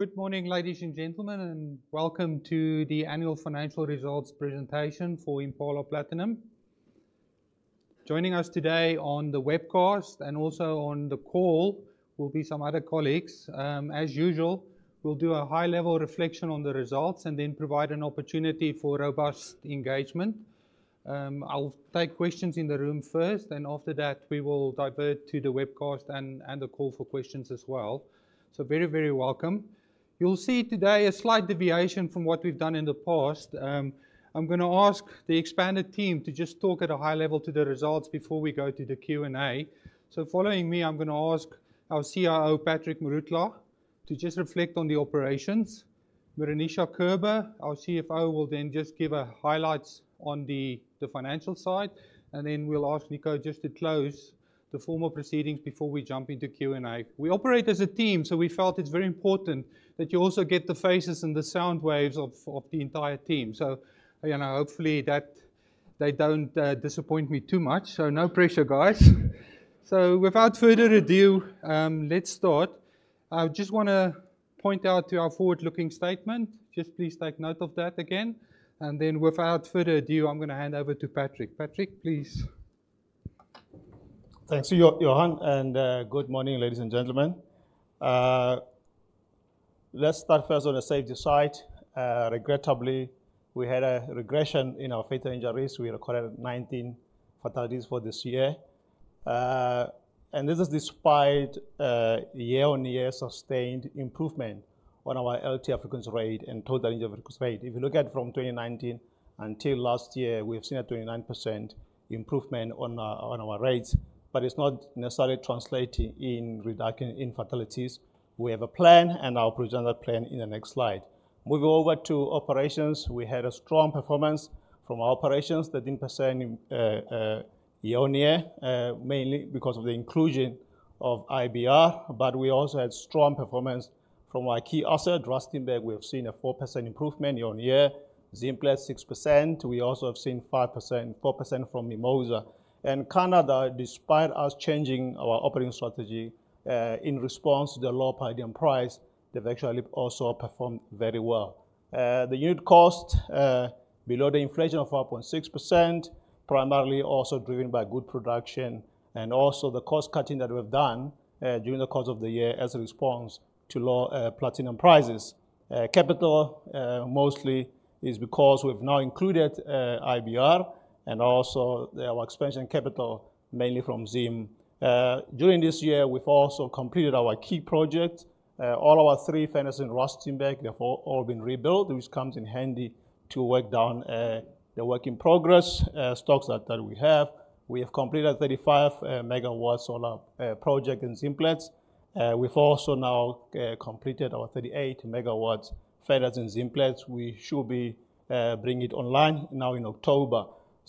Good morning, ladies and gentlemen, and welcome to the annual financial results presentation for Impala Platinum. Joining us today on the webcast and also on the call will be some other colleagues. As usual, we'll do a high-level reflection on the results and then provide an opportunity for robust engagement. I'll take questions in the room first, and after that, we will divert to the webcast and the call for questions as well. So very, very welcome. You'll see today a slight deviation from what we've done in the past. I'm gonna ask the expanded team to just talk at a high level to the results before we go to the Q&A. So following me, I'm gonna ask our COO, Patrick Morutlwa, to just reflect on the operations. Meroonisha Kerber, our CFO, will then just give highlights on the financial side, and then we'll ask Nico just to close the formal proceedings before we jump into Q&A. We operate as a team, so we felt it's very important that you also get the faces and the sound waves of the entire team. So, you know, hopefully, that they don't disappoint me too much. So no pressure, guys. So without further ado, let's start. I just wanna point out to our forward-looking statement. Just please take note of that again, and then without further ado, I'm gonna hand over to Patrick. Patrick, please. Thanks to you, Johan, and good morning, ladies and gentlemen. Let's start first on the safety side. Regrettably, we had a regression in our fatal injuries. We recorded nineteen fatalities for this year, and this is despite year-on-year sustained improvement on our LT frequency rate and total injury frequency rate. If you look at from 2019 until last year, we have seen a 29% improvement on our rates, but it's not necessarily translating in reduction in fatalities. We have a plan, and I'll present that plan in the next slide. Moving over to operations, we had a strong performance from our operations, 13% year-on-year mainly because of the inclusion of IBR, but we also had strong performance from our key asset, Rustenburg. We have seen a 4% improvement year-on-year, Zimplats, 6%. We also have seen 5%, 4% from Mimosa, and Canada, despite us changing our operating strategy in response to the low palladium price, they've actually also performed very well. The unit cost below the inflation of 4.6%, primarily also driven by good production and also the cost cutting that we've done during the course of the year as a response to low platinum prices. Capital mostly is because we've now included IBR and also our expansion capital, mainly from Zim. During this year, we've also completed our key project. All our three furnaces in Rustenburg, they've all been rebuilt, which comes in handy to work down the work in progress stocks that we have. We have completed 35 megawatts solar project in Zimplats. We've also now completed our 38 megawatts furnace in Zimplats. We should be bringing it online now in October.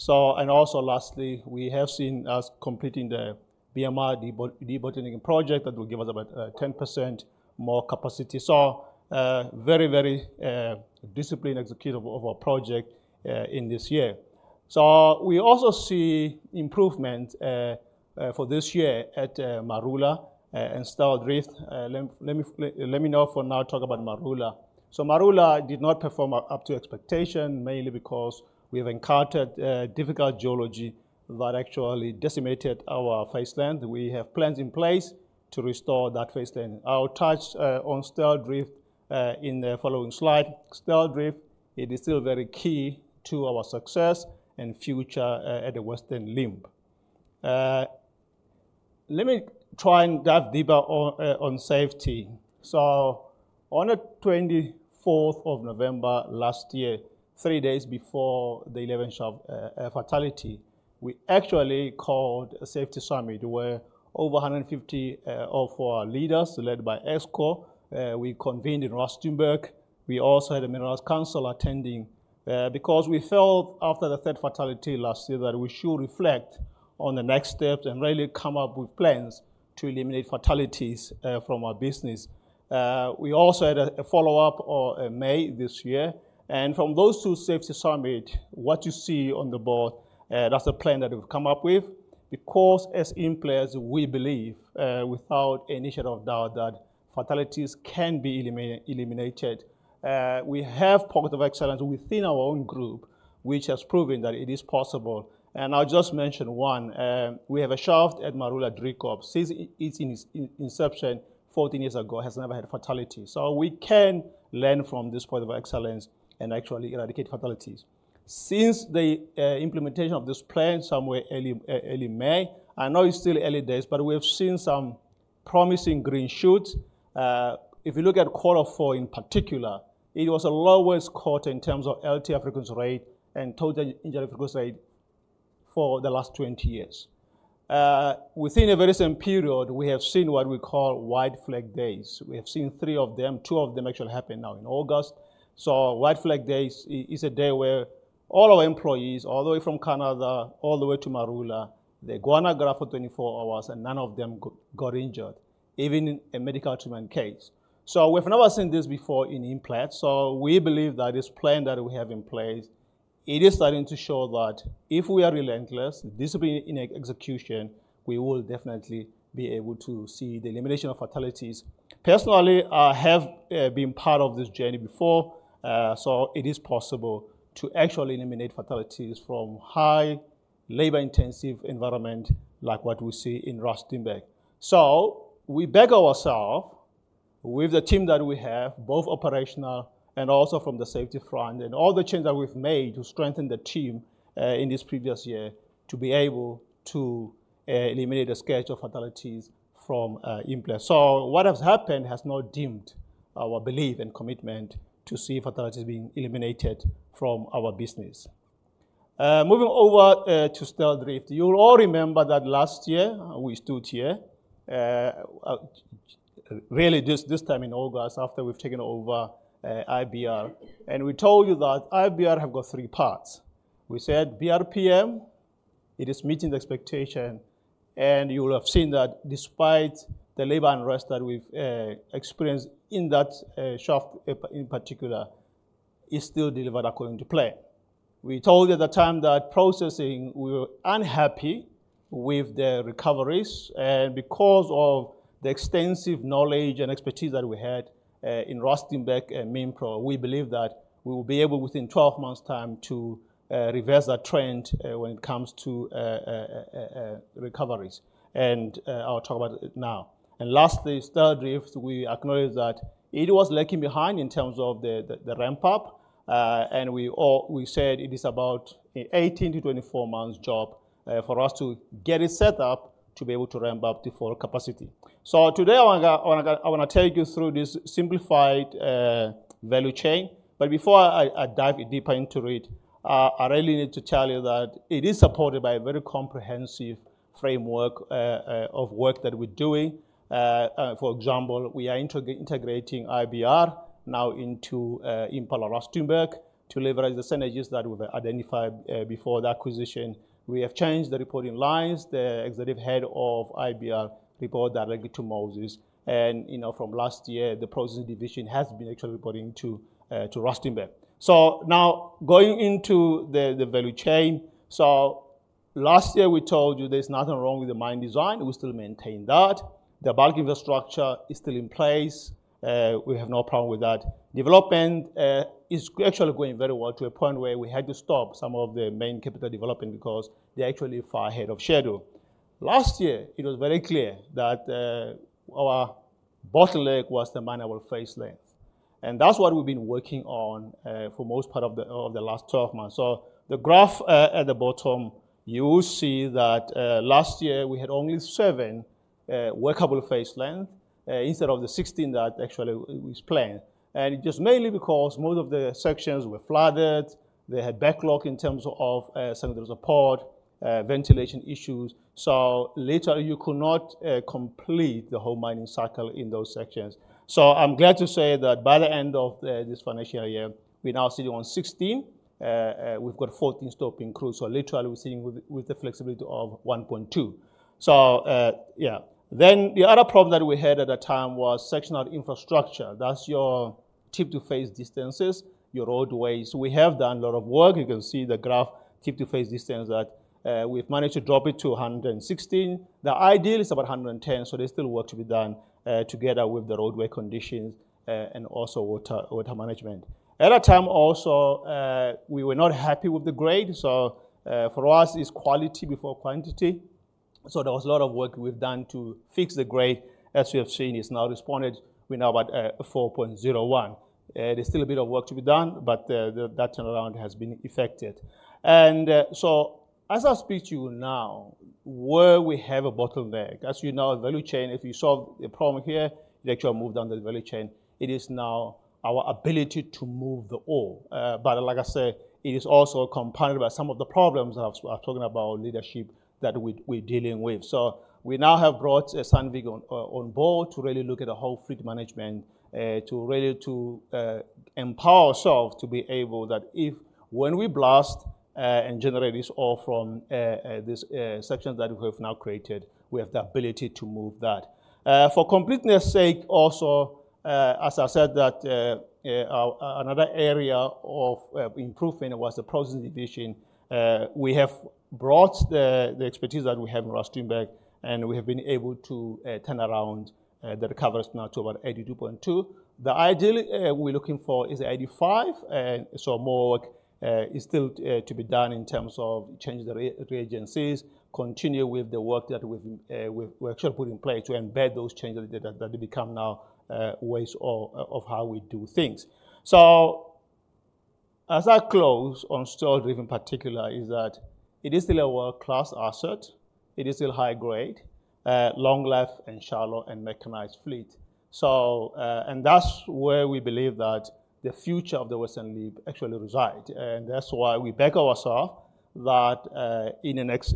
And also, lastly, we have seen us completing the BMR debottlenecking project that will give us about 10% more capacity. Very, very disciplined executable of our project in this year. We also see improvement for this year at Marula and Styldrift. Let me now talk about Marula. Marula did not perform up to expectation, mainly because we have encountered difficult geology that actually decimated our face length. We have plans in place to restore that face length. I'll touch on Styldrift in the following slide. Styldrift, it is still very key to our success and future at the Western Limb. Let me try and dive deeper on safety. So on the 24th of November last year, three days before the 11th fatality, we actually called a safety summit, where over a 150 of our leaders, led by Nico, we convened in Rustenburg. We also had a Minerals Council attending, because we felt after the 3rd fatality last year, that we should reflect on the next steps and really come up with plans to eliminate fatalities from our business. We also had a follow-up on May this year, and from those two safety summit, what you see on the board, that's a plan that we've come up with, because as employers, we believe without any shade of doubt, that fatalities can be eliminated. We have pocket of excellence within our own group, which has proven that it is possible, and I'll just mention one. We have a shaft at Marula Driekop. Since its inception fourteen years ago, has never had a fatality. So we can learn from this point of excellence and actually eradicate fatalities. Since the implementation of this plan somewhere early early May, I know it's still early days, but we have seen some promising green shoots. If you look at quarter four in particular, it was the lowest quarter in terms of LT frequency rate and total injury frequency rate for the last 20 years. Within a very same period, we have seen what we call White Flag days. We have seen three of them, two of them actually happened now in August. White Flag days is a day where all our employees, all the way from Canada, all the way to Marula, they go on a graph for 24 hours, and none of them got injured, even in a medical treatment case. We've never seen this before in Implats, so we believe that this plan that we have in place, it is starting to show that if we are relentless, discipline in execution, we will definitely be able to see the elimination of fatalities. Personally, I have been part of this journey before, so it is possible to actually eliminate fatalities from high labor-intensive environment like what we see in Rustenburg. So we back ourselves with the team that we have, both operational and also from the safety front, and all the changes that we've made to strengthen the team, in this previous year, to be able to eliminate the sequence of fatalities from Implats. So what has happened has not dimmed our belief and commitment to see fatalities being eliminated from our business. Moving over to Styldrift. You all remember that last year we stood here, really this time in August, after we've taken over IBR, and we told you that IBR have got three parts. We said BRPM, it is meeting the expectation, and you will have seen that despite the labor unrest that we've experienced in that shaft in particular, it still delivered according to plan. We told you at the time that processing, we were unhappy with the recoveries, and because of the extensive knowledge and expertise that we had in Rustenburg and Minpro, we believe that we will be able, within 12 months' time, to reverse that trend when it comes to recoveries. And I'll talk about it now. And lastly, Styldrift, we acknowledge that it was lagging behind in terms of the ramp up, and we said it is about 18-24 months job for us to get it set up to be able to ramp up to full capacity. So today, I wanna take you through this simplified value chain. But before I dive deeper into it, I really need to tell you that it is supported by a very comprehensive framework of work that we're doing. For example, we are integrating IBR now into Impala Rustenburg to leverage the synergies that we've identified before the acquisition. We have changed the reporting lines. The executive head of IBR report directly to Moses, and, you know, from last year, the processing division has been actually reporting to Rustenburg. So now, going into the value chain. So last year, we told you there's nothing wrong with the mine design. We still maintain that. The bulk infrastructure is still in place. We have no problem with that. Development is actually going very well, to a point where we had to stop some of the main capital development because they're actually far ahead of schedule. Last year, it was very clear that our bottleneck was the mineable face length, and that's what we've been working on for most part of the last 12 months. So the graph at the bottom, you will see that last year we had only seven workable face length instead of the 16 that actually was planned. And it just mainly because most of the sections were flooded. They had backlog in terms of some of the support ventilation issues. So literally, you could not complete the whole mining cycle in those sections. So I'm glad to say that by the end of this financial year, we now sitting on 16. We've got 14 stoping crew, so literally we're sitting with the flexibility of one point two. So, yeah. Then the other problem that we had at that time was sectional infrastructure. That's your tip to face distances, your roadways. We have done a lot of work. You can see the graph, tip to face distance, that we've managed to drop it to a hundred and sixteen. The ideal is about a hundred and ten, so there's still work to be done, together with the roadway conditions, and also water management. At that time, also, we were not happy with the grade, so, for us, it's quality before quantity. So there was a lot of work we've done to fix the grade. As you have seen, it's now responded. We're now about 4.01. There's still a bit of work to be done, but that turnaround has been effected and so as I speak to you now, where we have a bottleneck, as you know, value chain, if you solve the problem here, it actually moved down the value chain. It is now our ability to move the ore, but like I said, it is also compounded by some of the problems I was talking about, leadership that we're dealing with, so we now have brought Sandvik on board to really look at the whole fleet management, to really empower ourselves to be able that if when we blast and generate this ore from these sections that we have now created, we have the ability to move that. For completeness' sake, also, as I said, another area of improvement was the processing division. We have brought the expertise that we have in Rustenburg, and we have been able to turn around the recovery now to about 82.2%. The ideal we're looking for is 85%, so more work is still to be done in terms of changing the reagents, continue with the work that we've actually put in place to embed those changes that become now ways of how we do things. As I close on Styldrift in particular, it is still a world-class asset. It is still high grade, long life and shallow and mechanized fleet. So, and that's where we believe that the future of the Western Limb actually reside. And that's why we back ourself that in the next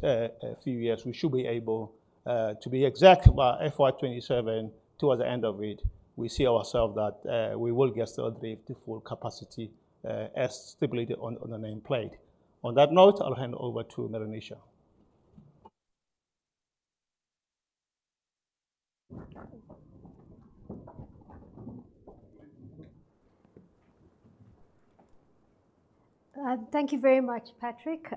few years, we should be able to be exact, by FY 2027, towards the end of it, we see ourself that we will get Styldrift to full capacity, as stipulated on the nameplate. On that note, I'll hand over to Meroonisha. Thank you very much, Patrick.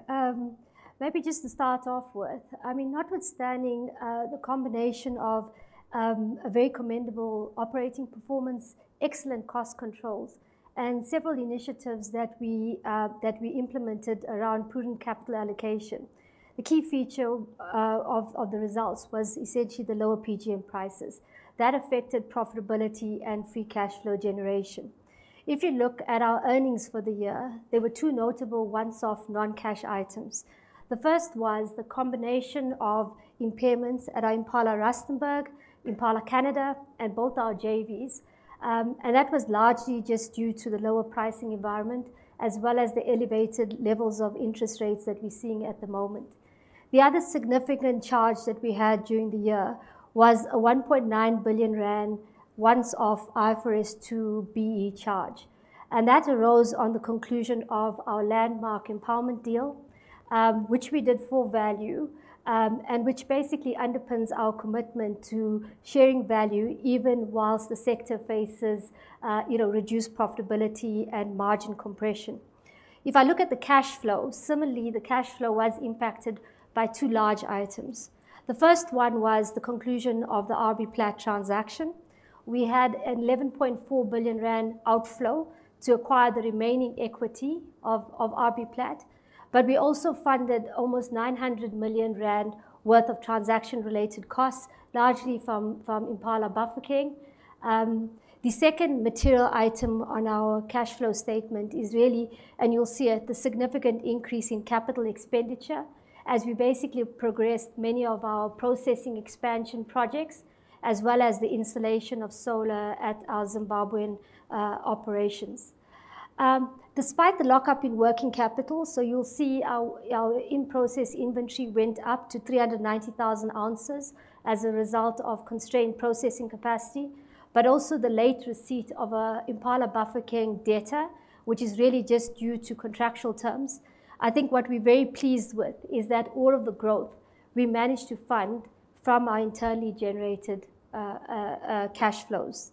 Maybe just to start off with, I mean, notwithstanding the combination of a very commendable operating performance, excellent cost controls, and several initiatives that we implemented around prudent capital allocation, the key feature of the results was essentially the lower PGM prices. That affected profitability and free cash flow generation. If you look at our earnings for the year, there were two notable one-off non-cash items. The first was the combination of impairments at our Impala Rustenburg, Impala Canada, and both our JVs. And that was largely just due to the lower pricing environment, as well as the elevated levels of interest rates that we're seeing at the moment. The other significant charge that we had during the year was a 1.9 billion rand once-off IFRS 2 BEE charge, and that arose on the conclusion of our landmark empowerment deal, which we did for value, and which basically underpins our commitment to sharing value even whilst the sector faces, you know, reduced profitability and margin compression. If I look at the cash flow, similarly, the cash flow was impacted by two large items. The first one was the conclusion of the RB Platinum transaction. We had a 11.4 billion rand outflow to acquire the remaining equity of RB Platinum, but we also funded almost 900 million rand worth of transaction-related costs, largely from Impala Bafokeng. The second material item on our cash flow statement is really, and you'll see it, the significant increase in capital expenditure as we basically progressed many of our processing expansion projects, as well as the installation of solar at our Zimbabwean operations. Despite the lock-up in working capital, so you'll see our in-process inventory went up to three hundred and ninety thousand ounces as a result of constrained processing capacity, but also the late receipt of Impala Bafokeng data, which is really just due to contractual terms. I think what we're very pleased with is that all of the growth we managed to fund from our internally generated cash flows.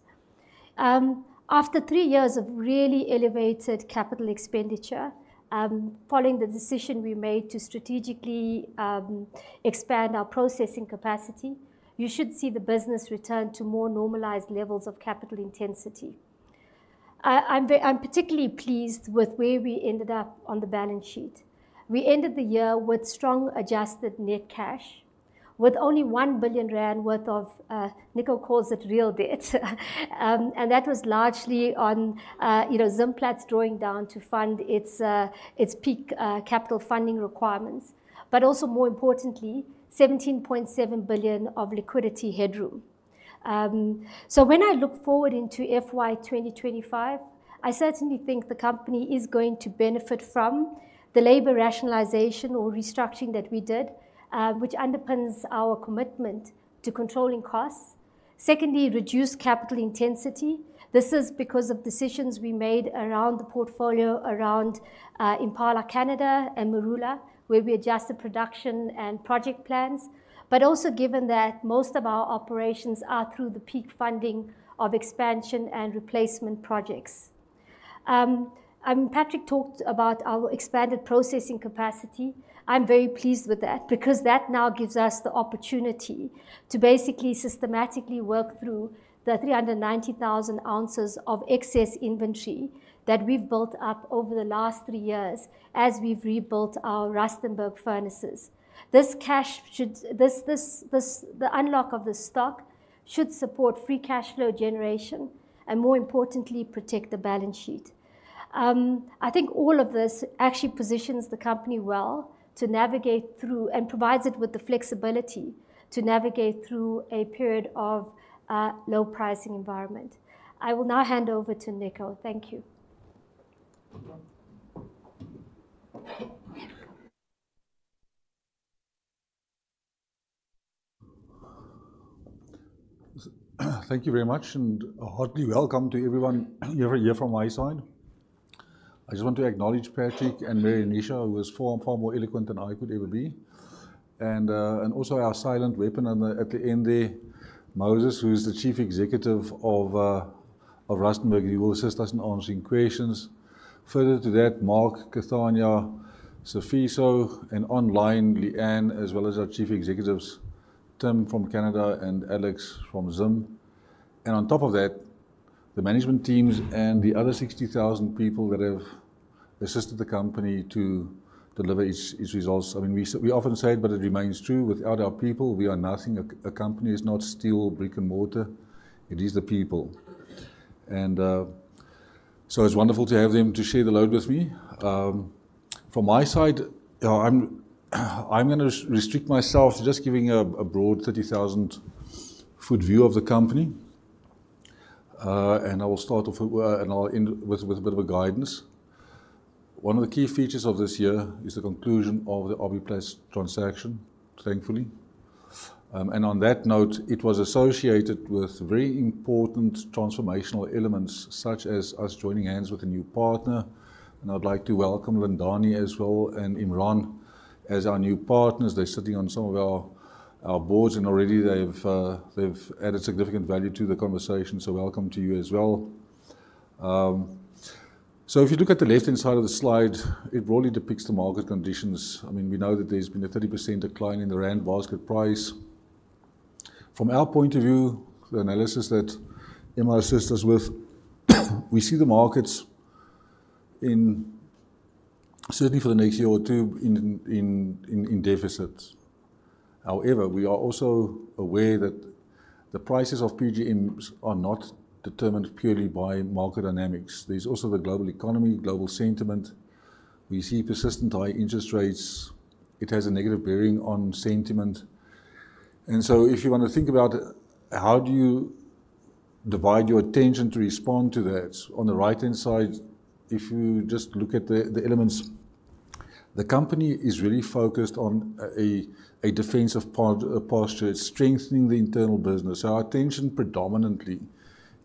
After three years of really elevated capital expenditure, following the decision we made to strategically expand our processing capacity, you should see the business return to more normalized levels of capital intensity. I'm particularly pleased with where we ended up on the balance sheet. We ended the year with strong adjusted net cash, with only 1 billion rand worth of, Nico calls it real debt. And that was largely on, you know, Zimplats drawing down to fund its peak capital funding requirements, but also, more importantly, 17.7 billion of liquidity headroom. When I look forward into FY 2025, I certainly think the company is going to benefit from the labor rationalization or restructuring that we did, which underpins our commitment to controlling costs. Secondly, reduced capital intensity. This is because of decisions we made around the portfolio, around Impala Canada, and Marula, where we adjusted production and project plans, but also given that most of our operations are through the peak funding of expansion and replacement projects. And Patrick talked about our expanded processing capacity. I'm very pleased with that because that now gives us the opportunity to basically systematically work through the 390,000 ounces of excess inventory that we've built up over the last three years as we've rebuilt our Rustenburg furnaces. This, the unlock of the stock should support free cash flow generation and, more importantly, protect the balance sheet. I think all of this actually positions the company well to navigate through, and provides it with the flexibility to navigate through a period of low pricing environment. I will now hand over to Nico. Thank you. Thank you very much, and a hearty welcome to everyone, everyone here from my side. I just want to acknowledge Patrick and Meroonisha, who was far, far more eloquent than I could ever be. And also our silent weapon at the end there, Moses, who is the Chief Executive of Rustenburg, and he will assist us in answering questions. Further to that, Mark, Cathania, Sifiso, and online, Lee-Ann, as well as our chief executives, Tim from Canada and Alex from Zim. And on top of that, the management teams and the other 60,000 people that have assisted the company to deliver its, its results. I mean, we, we often say it, but it remains true: without our people, we are nothing. A company is not steel, brick and mortar, it is the people. So it's wonderful to have them to share the load with me. From my side, I'm gonna restrict myself to just giving a broad 30,000 foot view of the company. I will start off with and I'll end with a bit of guidance. One of the key features of this year is the conclusion of the RB Platinum transaction, thankfully. On that note, it was associated with very important transformational elements, such as us joining hands with a new partner, and I'd like to welcome Lindani as well, and Imran as our new partners. They're sitting on some of our boards, and already they've added significant value to the conversation, so welcome to you as well. If you look at the left-hand side of the slide, it broadly depicts the market conditions. I mean, we know that there's been a 30% decline in the rand basket price. From our point of view, the analysis that Emma assists us with, we see the markets in deficit certainly for the next year or two. However, we are also aware that the prices of PGMs are not determined purely by market dynamics. There's also the global economy, global sentiment. We see persistent high interest rates. It has a negative bearing on sentiment. And so if you want to think about it, how do you divide your attention to respond to that? On the right-hand side, if you just look at the elements, the company is really focused on a defensive posture. It's strengthening the internal business. So our attention predominantly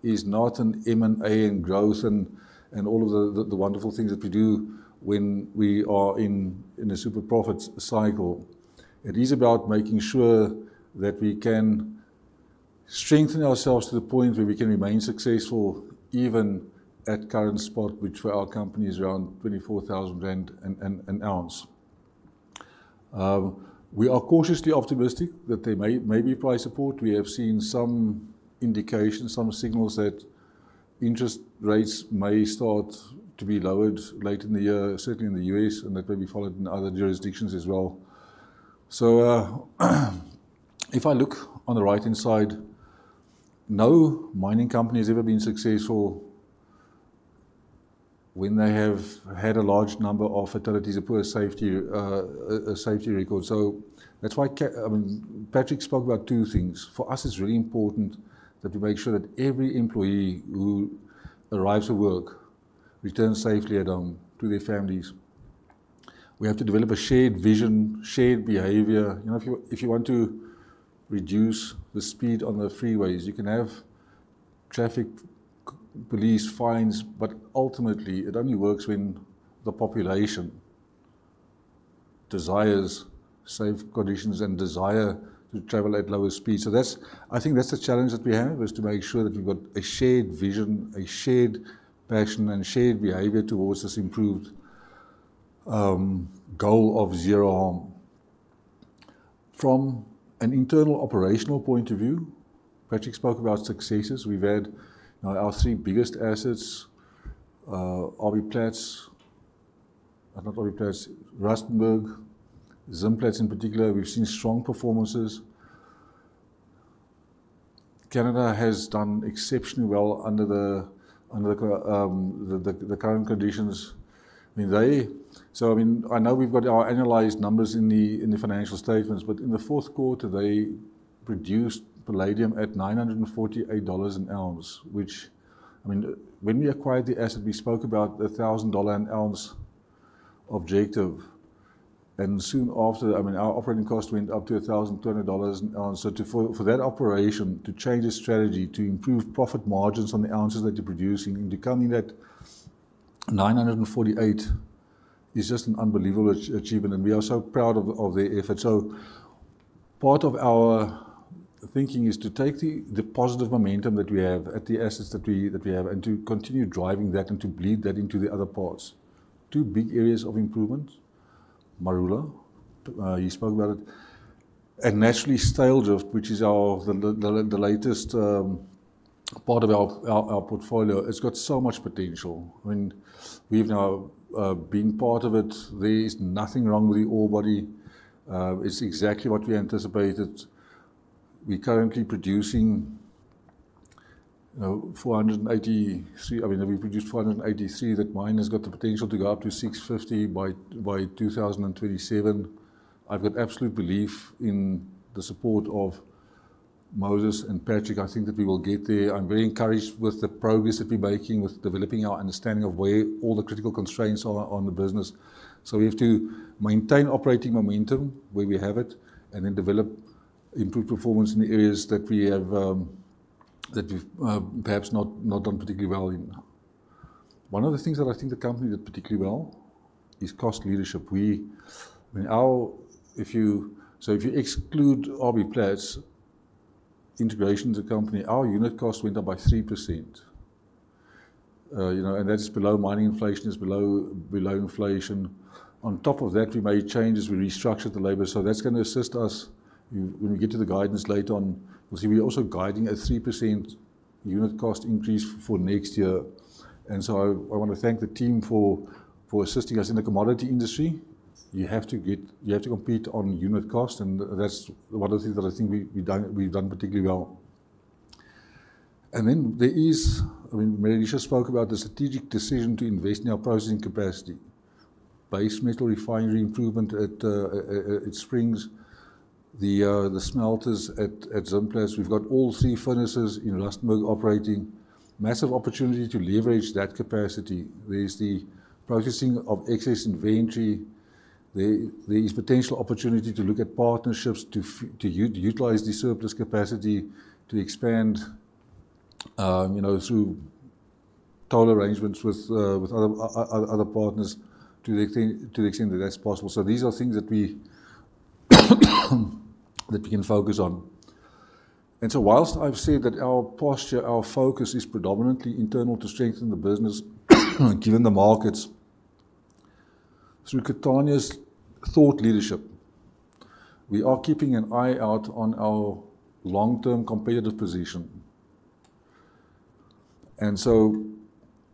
is not on M&A and growth and all of the wonderful things that we do when we are in a super profit cycle. It is about making sure that we can strengthen ourselves to the point where we can remain successful even at current spot, which for our company is around 24,000 rand an ounce. We are cautiously optimistic that there may be price support. We have seen some indications, some signals that interest rates may start to be lowered late in the year, certainly in the U.S., and that may be followed in other jurisdictions as well. So, if I look on the right-hand side, no mining company has ever been successful when they have had a large number of fatalities, a poor safety record. So that's why I mean, Patrick spoke about two things. For us, it's really important that we make sure that every employee who arrives at work returns safely at home to their families. We have to develop a shared vision, shared behavior. You know, if you want to reduce the speed on the freeways, you can have traffic police fines, but ultimately it only works when the population desires safe conditions and desire to travel at lower speeds. So that's I think that's the challenge that we have, is to make sure that we've got a shared vision, a shared passion, and shared behavior towards this improved goal of zero harm. From an internal operational point of view, Patrick spoke about successes. We've had our three biggest assets, RBPlat, not RBPlat, Rustenburg, Zimplats in particular, we've seen strong performances. Canada has done exceptionally well under the current conditions. I mean, So, I mean, I know we've got our analyzed numbers in the financial statements, but in the fourth quarter, they produced palladium at $948 an ounce, which, I mean, when we acquired the asset, we spoke about a $1,000 an ounce objective, and soon after, I mean, our operating cost went up to a $1,020 an ounce. So for that operation to change its strategy, to improve profit margins on the ounces that you're producing and becoming that $948 is just an unbelievable achievement, and we are so proud of their effort. Part of our thinking is to take the positive momentum that we have at the assets that we have, and to continue driving that and to bleed that into the other parts. Two big areas of improvement, Marula, you spoke about it, and naturally, Styldrift, which is our the latest part of our portfolio, it's got so much potential. I mean, we've now been part of it. There's nothing wrong with the ore body. It's exactly what we anticipated. We're currently producing 483, I mean, we produced 483. That mine has got the potential to go up to 650 by 2027. I've got absolute belief in the support of Moses and Patrick. I think that we will get there. I'm very encouraged with the progress that we're making with developing our understanding of where all the critical constraints are on the business. So we have to maintain operating momentum where we have it, and then develop improved performance in the areas that we have that we've perhaps not done particularly well in. One of the things that I think the company did particularly well is cost leadership. We, I mean, our - if you - so if you exclude RBPlat integration as a company, our unit cost went up by 3%. You know, and that's below mining inflation, it's below inflation. On top of that, we made changes. We restructured the labor, so that's gonna assist us. When we get to the guidance later on, you'll see we're also guiding a 3% unit cost increase for next year. I want to thank the team for assisting us. In the commodity industry, you have to compete on unit cost, and that's one of the things that I think we've done particularly well. There is, I mean, Meroonisha spoke about the strategic decision to invest in our processing capacity. Base Metal Refinery improvement at Springs, the smelters at Zimplats. We've got all three furnaces in Rustenburg operating. Massive opportunity to leverage that capacity. There is the processing of excess inventory. There is potential opportunity to look at partnerships, to utilize the surplus capacity, to expand, you know, through toll arrangements with other partners, to the extent that that's possible. These are things that we, that we can focus on. While I've said that our posture, our focus is predominantly internal to strengthen the business, given the markets, through Cathania's thought leadership, we are keeping an eye out on our long-term competitive position.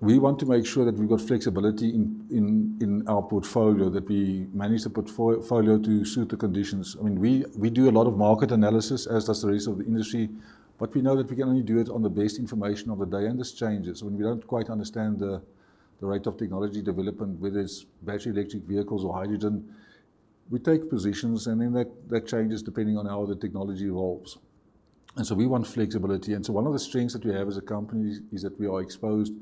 We want to make sure that we've got flexibility in our portfolio, that we manage the portfolio to suit the conditions. I mean, we do a lot of market analysis, as does the rest of the industry, but we know that we can only do it on the best information of the day, and this changes. When we don't quite understand the rate of technology development, whether it's battery electric vehicles or hydrogen, we take positions, and then that changes depending on how the technology evolves. We want flexibility. One of the strengths that we have as a company is that we are exposed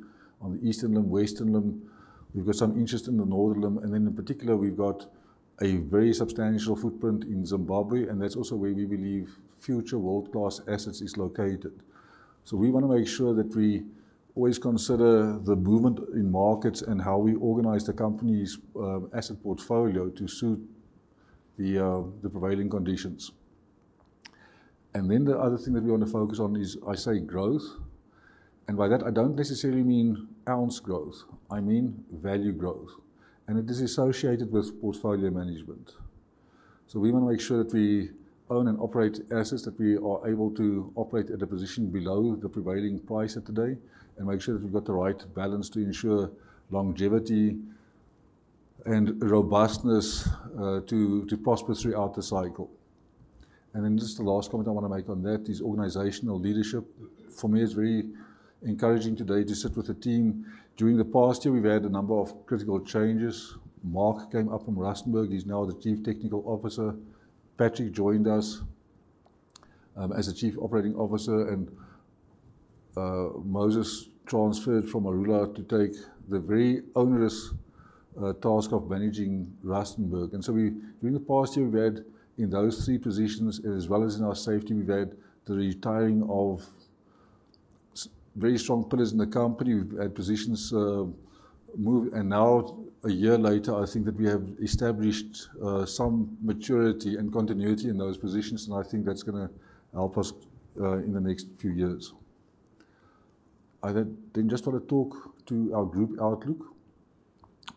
on the Eastern Limb, Western Limb. We have got some interest in the Northern Limb, and then in particular, we have got a very substantial footprint in Zimbabwe, and that's also where we believe future world-class assets is located. We want to make sure that we always consider the movement in markets and how we organize the company's asset portfolio to suit the prevailing conditions. The other thing that we want to focus on is, I say, growth. By that, I do not necessarily mean ounce growth. I mean value growth, and it is associated with portfolio management. So we wanna make sure that we own and operate assets, that we are able to operate at a position below the prevailing price of today, and make sure that we've got the right balance to ensure longevity and robustness to prosper throughout the cycle. And then just the last comment I wanna make on that is organizational leadership. For me, it's very encouraging today to sit with the team. During the past year, we've had a number of critical changes. Mark came up from Rustenburg. He's now the Chief Technical Officer. Patrick joined us as the Chief Operating Officer, and Moses transferred from Marula to take the very onerous task of managing Rustenburg. And so during the past year, we've had, in those three positions, as well as in our safety, we've had the retiring of some very strong pillars in the company. We've had positions move, and now, a year later, I think that we have established some maturity and continuity in those positions, and I think that's gonna help us in the next few years. I then just wanna talk to our group outlook.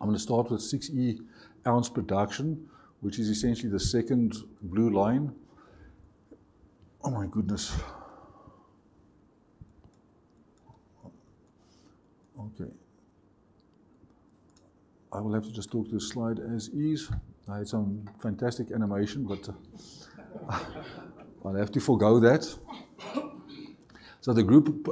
I'm gonna start with 6E ounce production, which is essentially the second blue line. Oh, my goodness! Okay. I will have to just talk to the slide as is. I had some fantastic animation, but, I'll have to forego that. So the group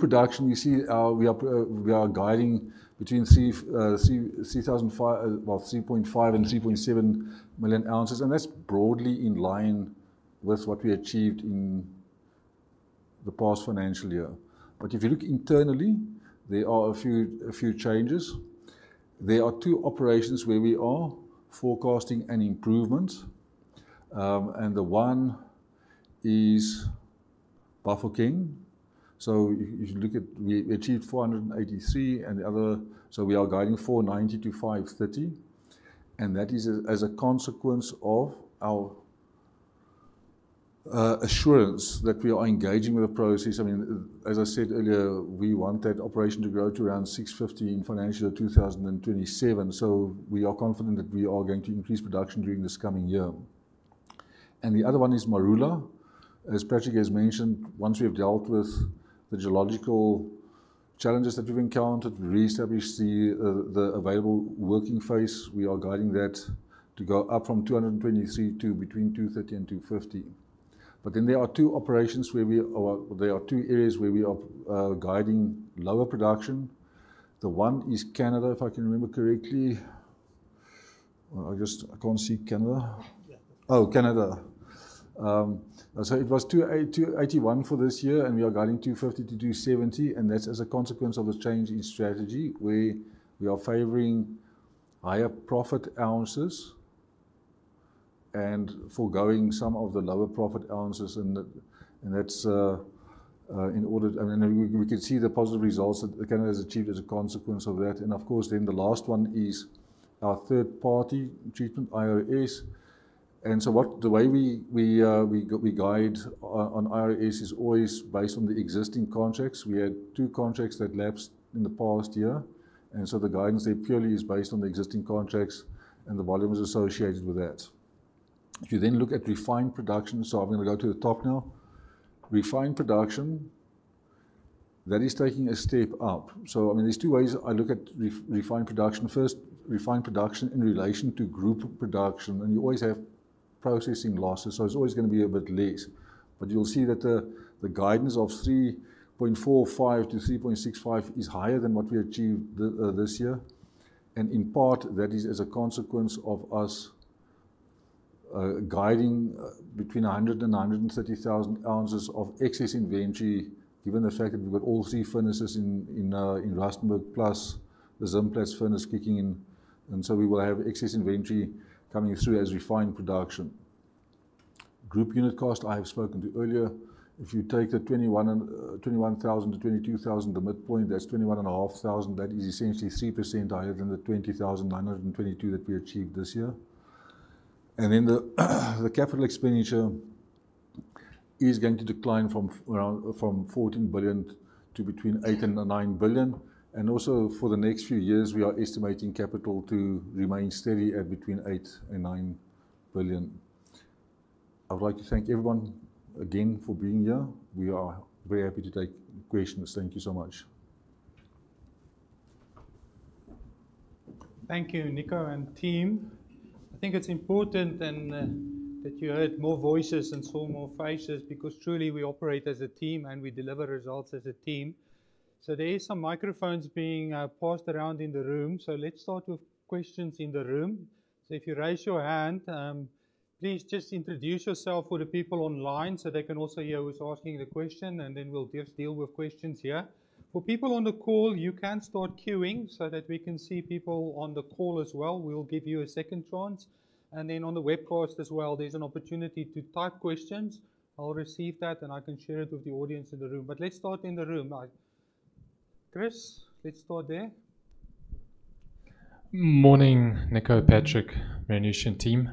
production, you see, we are guiding between 3.5 and 3.7 million ounces, and that's broadly in line with what we achieved in the past financial year. But if you look internally, there are a few changes. There are two operations where we are forecasting an improvement. And the one is Bafokeng. So if you look at-- we achieved 483 and the other, so we are guiding 490-530, and that is as a consequence of our assurance that we are engaging with the process. I mean, as I said earlier, we want that operation to grow to around 650 in financial year 2027. So we are confident that we are going to increase production during this coming year. And the other one is Marula. As Patrick has mentioned, once we've dealt with the geological challenges that we've encountered, reestablish the available working face, we are guiding that to go up from 223 to between 230 and 250. But then there are two operations where we are. There are two areas where we are guiding lower production. The one is Canada, if I can remember correctly. I just can't see Canada. Oh, Canada. So it was 281 for this year, and we are guiding 250-270, and that's as a consequence of a change in strategy, where we are favoring higher profit ounces and foregoing some of the lower profit ounces. I mean, we can see the positive results that Canada has achieved as a consequence of that. And of course, then the last one is our third-party treatment, IRS. And so the way we guide on IRS is always based on the existing contracts. We had two contracts that lapsed in the past year, and so the guidance there purely is based on the existing contracts and the volumes associated with that. If you then look at refined production, so I'm gonna go to the top now. Refined production, that is taking a step up. So, I mean, there's two ways I look at refined production. First, refined production in relation to group production, and you always have processing losses, so it's always gonna be a bit less. But you'll see that the guidance of 3.45-3.65 is higher than what we achieved this year, and in part, that is as a consequence of us guiding between 100 and 130 thousand ounces of excess inventory, given the fact that we've got all three furnaces in Rustenburg, plus the Zimplats furnace kicking in. And so we will have excess inventory coming through as refined production. Group unit cost, I have spoken to earlier. If you take the 21,000 to 22,000, the midpoint, that's 21,500. That is essentially 3% higher than the 20,922 that we achieved this year. Then the capital expenditure is going to decline from 14 billion to between 8 billion and 9 billion. Also, for the next few years, we are estimating capital to remain steady at between 8 billion and 9 billion. I would like to thank everyone again for being here. We are very happy to take questions. Thank you so much. Thank you, Nico and team. I think it's important and that you heard more voices and saw more faces, because truly, we operate as a team, and we deliver results as a team, so there is some microphones being passed around in the room, so let's start with questions in the room. If you raise your hand, please just introduce yourself for the people online so they can also hear who's asking the question, and then we'll just deal with questions here. For people on the call, you can start queuing so that we can see people on the call as well. We'll give you a second chance, and then on the webcast as well, there's an opportunity to type questions. I'll receive that, and I can share it with the audience in the room, but let's start in the room. Chris, let's start there. Morning, Nico, Patrick, Meroonisha, and team.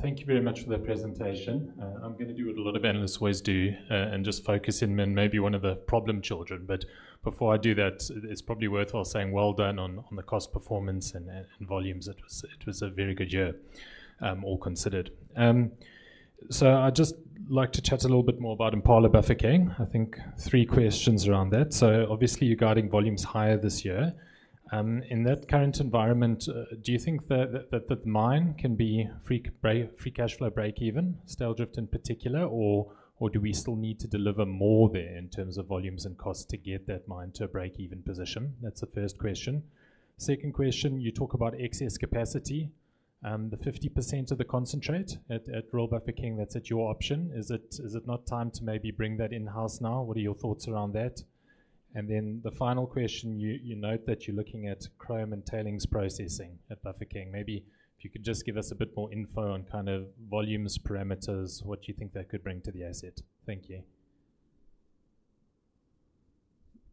Thank you very much for the presentation. I'm gonna do what a lot of analysts always do, and just focus in on maybe one of the problem children. But before I do that, it's probably worthwhile saying well done on the cost, performance, and volumes. It was a very good year, all considered. So I'd just like to chat a little bit more about Impala Bafokeng. I think three questions around that. So obviously, you're guiding volumes higher this year. In that current environment, do you think that the mine can be free cash flow break even, Styldrift in particular, or do we still need to deliver more there in terms of volumes and costs to get that mine to a break-even position? That's the first question. Second question, you talk about excess capacity. The 50% of the concentrate at Royal Bafokeng, that's at your option. Is it not time to maybe bring that in-house now? What are your thoughts around that? And then the final question, you note that you're looking at chrome and tailings processing at Bafokeng. Maybe if you could just give us a bit more info on kind of volumes, parameters, what you think that could bring to the asset. Thank you.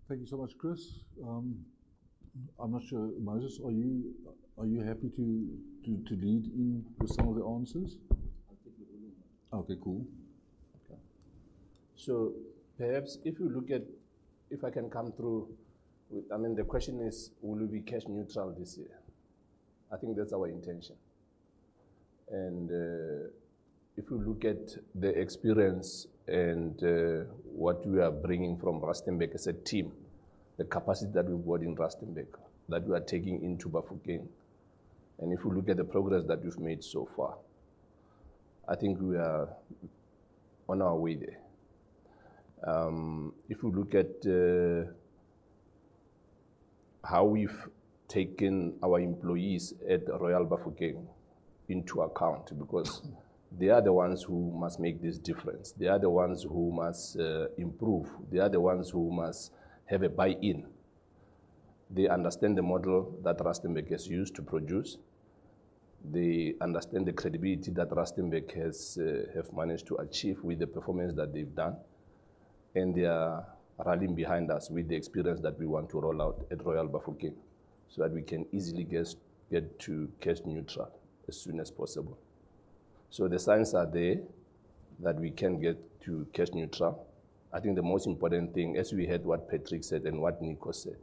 Thank you so much, Chris. I'm not sure, Moses, are you happy to lead in with some of the answers? I'll take the lead, yeah. Okay, cool. Okay. So, I mean, the question is: will we be cash neutral this year? I think that's our intention, and if you look at the experience and what we are bringing from Rustenburg as a team, the capacity that we got in Rustenburg, that we are taking into Bafokeng, and if you look at the progress that we've made so far, I think we are on our way there. If you look at how we've taken our employees at Royal Bafokeng into account, because they are the ones who must make this difference. They are the ones who must improve. They are the ones who must have a buy-in. They understand the model that Rustenburg has used to produce. They understand the credibility that Rustenburg have managed to achieve with the performance that they've done, and they are rallying behind us with the experience that we want to roll out at Royal Bafokeng, so that we can easily get to cash neutral as soon as possible. So the signs are there that we can get to cash neutral. I think the most important thing, as we heard what Patrick said and what Nico said,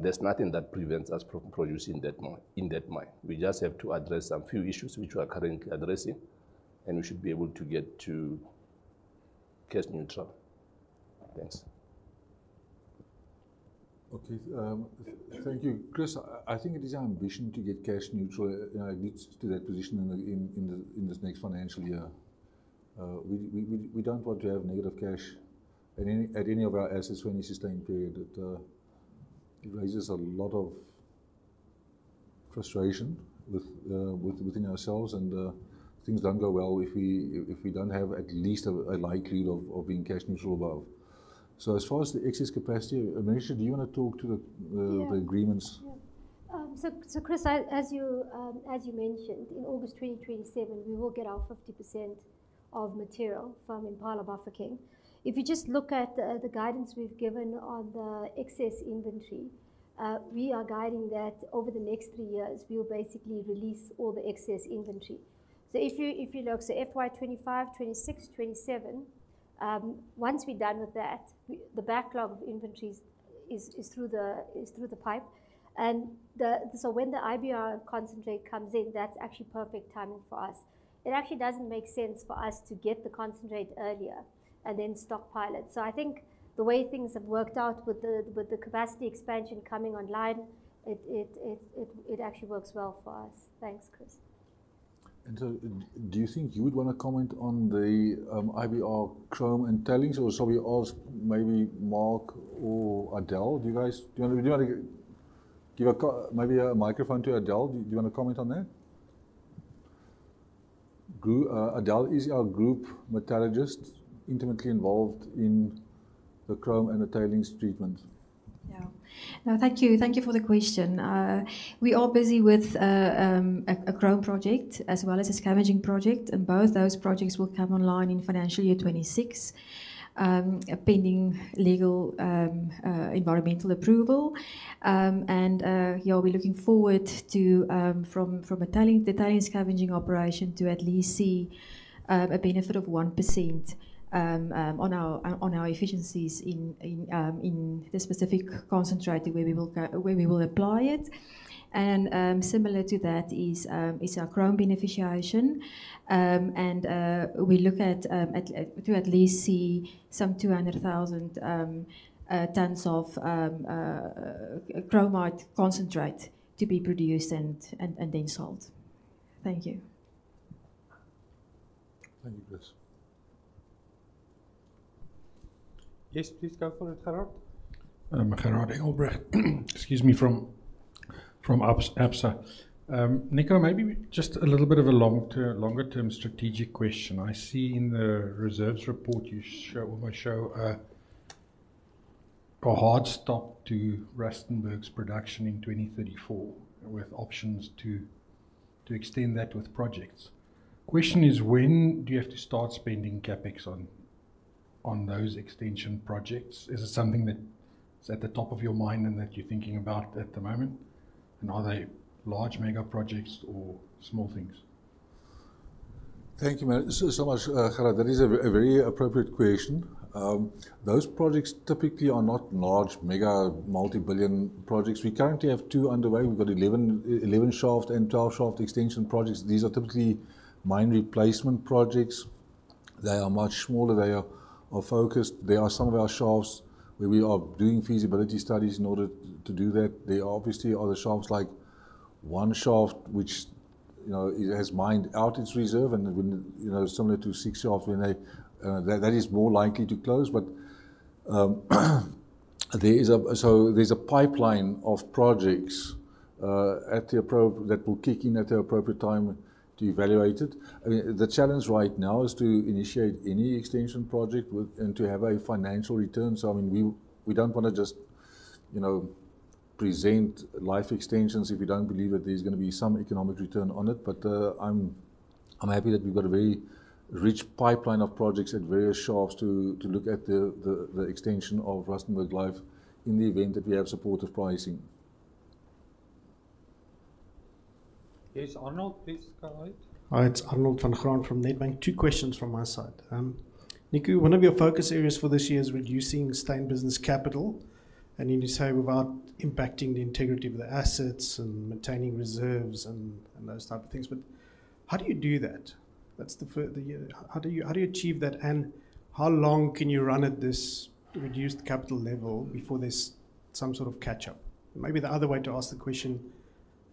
there's nothing that prevents us from producing that mine, in that mine. We just have to address a few issues which we are currently addressing, and we should be able to get to cash neutral. Thanks. Okay, thank you. Chris, I think it is our ambition to get cash neutral, you know, get to that position in this next financial year. We don't want to have negative cash at any of our assets for any sustained period. It raises a lot of frustration within ourselves, and things don't go well if we don't have at least a likelihood of being cash neutral above. So as far as the excess capacity, Meroonisha, do you want to talk to the? Yeah. The agreements? Yeah. So Chris, as you mentioned, in August 2027, we will get our 50% of material from Impala Bafokeng. If you just look at the guidance we've given on the excess inventory, we are guiding that over the next three years, we'll basically release all the excess inventory. So if you look, so FY 2025, 2026, 2027, once we're done with that, the backlog of inventories is through the pipe. So when the IBR concentrate comes in, that's actually perfect timing for us. It actually doesn't make sense for us to get the concentrate earlier and then stockpile. So I think the way things have worked out with the capacity expansion coming online, it actually works well for us. Thanks, Chris. And, do you think you would wanna comment on the IBR chrome and tailings, or shall we ask maybe Mark or Adelle? Do you wanna give maybe a microphone to Adelle? Do you want to comment on that? Adelle is our Group Metallurgist, intimately involved in the chrome and the tailings treatment. No, thank you. Thank you for the question. We are busy with a chrome project as well as a scavenging project, and both those projects will come online in financial year 2026, pending legal environmental approval. And yeah, we're looking forward to from the tailing scavenging operation to at least see a benefit of 1% on our efficiencies in the specific concentrate where we will apply it. And similar to that is our chrome beneficiation. And we look at to at least see some 200,000 tonnes of chromite concentrate to be produced and then sold. Thank you. Thank you, Chris. Yes, please go for it, Gerhard. Gerhard Engelbrecht, excuse me, from Absa. Nico, maybe just a little bit of a long-term, longer-term strategic question. I see in the reserves report you show almost a hard stop to Rustenburg's production in 2024, with options to extend that with projects. Question is, when do you have to start spending CapEx on those extension projects? Is it something that is at the top of your mind and that you're thinking about at the moment? And are they large mega projects or small things? Thank you so, so much, Gerhard. That is a very, a very appropriate question. Those projects typically are not large, mega, multi-billion projects. We currently have two underway. We've got 11, 11 Shaft and 12 Shaft extension projects. These are typically mine replacement projects. They are much smaller. They are focused. There are some of our shafts where we are doing feasibility studies in order to do that. There obviously are the shafts, like 1 Shaft, which, you know, it has mined out its reserve, and, you know, similar to 6 Shafts when they. That is more likely to close. But, so there's a pipeline of projects that will kick in at the appropriate time to evaluate it. I mean, the challenge right now is to initiate any extension project and to have a financial return. So, I mean, we don't wanna just, you know, present life extensions if we don't believe that there's gonna be some economic return on it. But, I'm happy that we've got a very rich pipeline of projects at various shafts to look at the extension of Rustenburg life in the event that we have supportive pricing. Yes, Arnold, please go ahead. Hi, it's Arnold van Graan from Nedbank. Two questions from my side. Nico, one of your focus areas for this year is reducing sustained business capital, and you decide without impacting the integrity of the assets and maintaining reserves and those type of things. But how do you do that? That's the first. How do you achieve that, and how long can you run at this reduced capital level before there's some sort of catch-up? Maybe the other way to ask the question,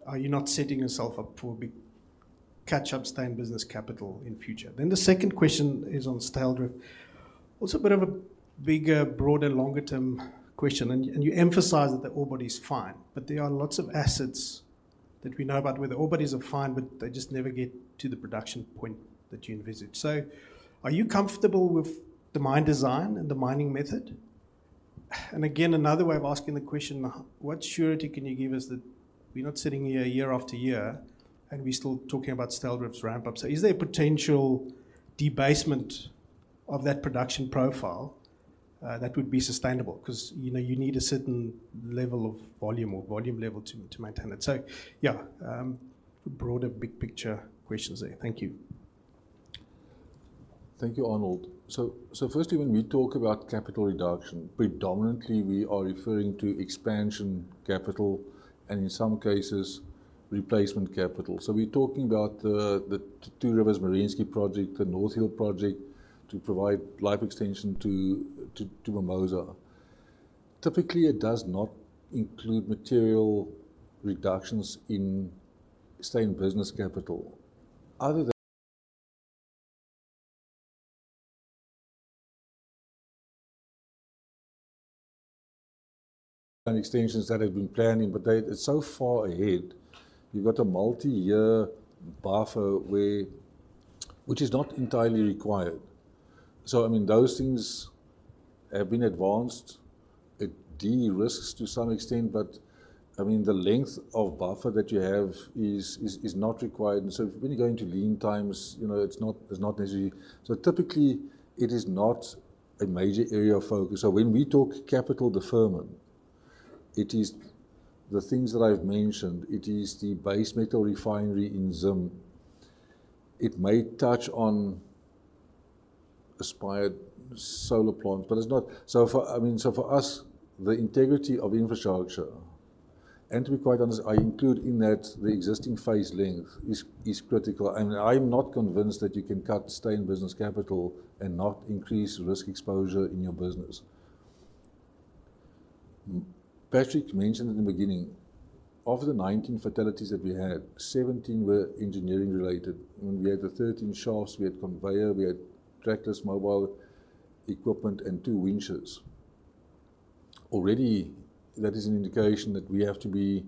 are you not setting yourself up for a big catch-up sustained business capital in future? Then the second question is on Styldrift. Also, a bit of a bigger, broader, longer-term question, and you, and you emphasize that the ore body is fine, but there are lots of assets that we know about where the ore bodies are fine, but they just never get to the production point that you envisage. So are you comfortable with the mine design and the mining method? And again, another way of asking the question, what surety can you give us that we're not sitting here year after year and we're still talking about Styldrift's ramp-up? So is there a potential debasement of that production profile that would be sustainable? 'Cause, you know, you need a certain level of volume or volume level to, to maintain it. So, yeah, broader, big picture questions there. Thank you. Thank you, Arnold. So firstly, when we talk about capital reduction, predominantly we are referring to expansion capital and in some cases, replacement capital. So we're talking about the Two Rivers Merensky project, the North Hill project, to provide life extension to Mimosa. Typically, it does not include material reductions in sustained business capital. Other than extensions that have been planning, but they, it's so far ahead. You've got a multi-year buffer where which is not entirely required. So I mean, those things have been advanced, it de-risks to some extent, but I mean, the length of buffer that you have is not required. And so when you go into lean times, you know, it's not necessary. So typically, it is not a major area of focus. So when we talk capital deferment, it is the things that I've mentioned. It is the Base Metal Refinery in Zim. It may touch on aspired solar plants, but it's not so for, I mean, so for us, the integrity of infrastructure, and to be quite honest, I include in that the existing phase length, is critical. And I'm not convinced that you can cut sustained business capital and not increase risk exposure in your business. Patrick mentioned at the beginning, of the 19 fatalities that we had, 17 were engineering related. And we had the 13 shafts, we had conveyor, we had trackless mobile equipment, and two winches. Already, that is an indication that we have to be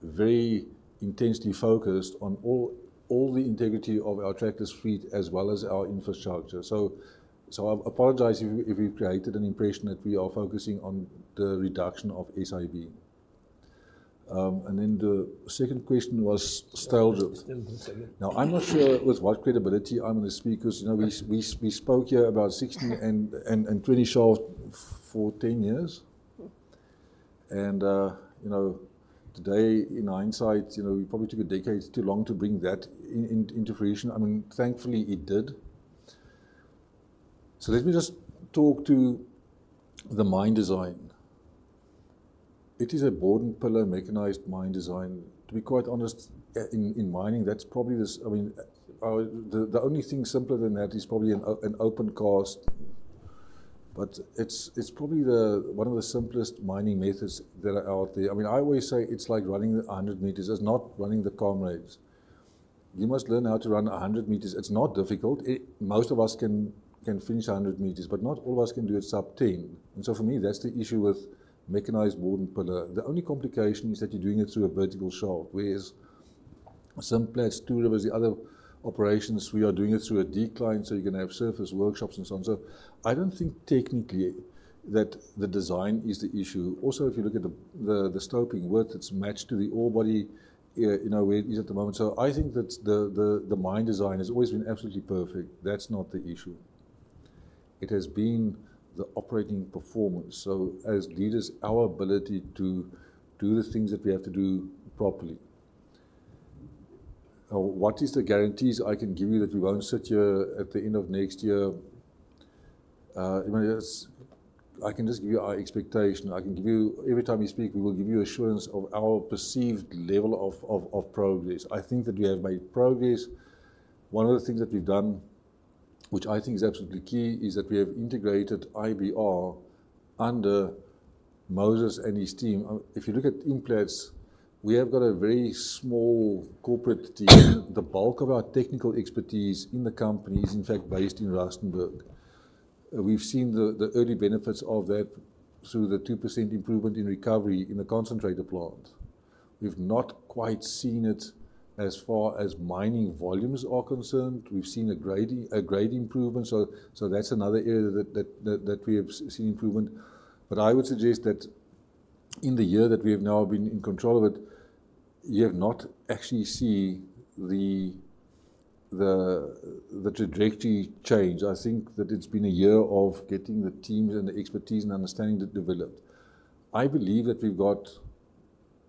very intensely focused on all the integrity of our trackless fleet as well as our infrastructure. So I apologize if we've created an impression that we are focusing on the reduction of SIB. And then the second question was Styldrift. Now, I'm not sure with what credibility I'm gonna speak, 'cause, you know, we spoke here about 16 and 20 short for ten years. You know, today, in hindsight, you know, we probably took a decade too long to bring that into fruition. I mean, thankfully, it did. Let me just talk to the mine design. It is a bord and pillar mechanized mine design. To be quite honest, in mining, that's probably the only thing simpler than that is probably an open cast, but it's probably the one of the simplest mining methods that are out there. I mean, I always say it's like running a hundred meters. It's not running the comrades. You must learn how to run a hundred meters. It's not difficult. Most of us can finish a hundred meters, but not all of us can do a sub ten. And so, for me, that's the issue with mechanized bord and pillar. The only complication is that you're doing it through a vertical shaft, whereas in some places, two of the other operations, we are doing it through a decline, so you're gonna have surface workshops and so on. So I don't think technically that the design is the issue. Also, if you look at the stoping work, that's matched to the ore body, you know, where it is at the moment. So I think that the mine design has always been absolutely perfect. That's not the issue. It has been the operating performance. So as leaders, our ability to do the things that we have to do properly. Now, what is the guarantees I can give you that we won't sit here at the end of next year? I mean, I can just give you our expectation. I can give you every time we speak, we will give you assurance of our perceived level of progress. I think that we have made progress. One of the things that we've done, which I think is absolutely key, is that we have integrated IBR under Moses and his team. If you look at Implats, we have got a very small corporate team. The bulk of our technical expertise in the company is, in fact, based in Rustenburg. We've seen the early benefits of that through the 2% improvement in recovery in the concentrator plant. We've not quite seen it as far as mining volumes are concerned. We've seen a grade improvement, so that's another area that we have seen improvement. But I would suggest that in the year that we have now been in control of it, you have not actually seen the trajectory change. I think that it's been a year of getting the teams and the expertise and understanding to develop. I believe that we've got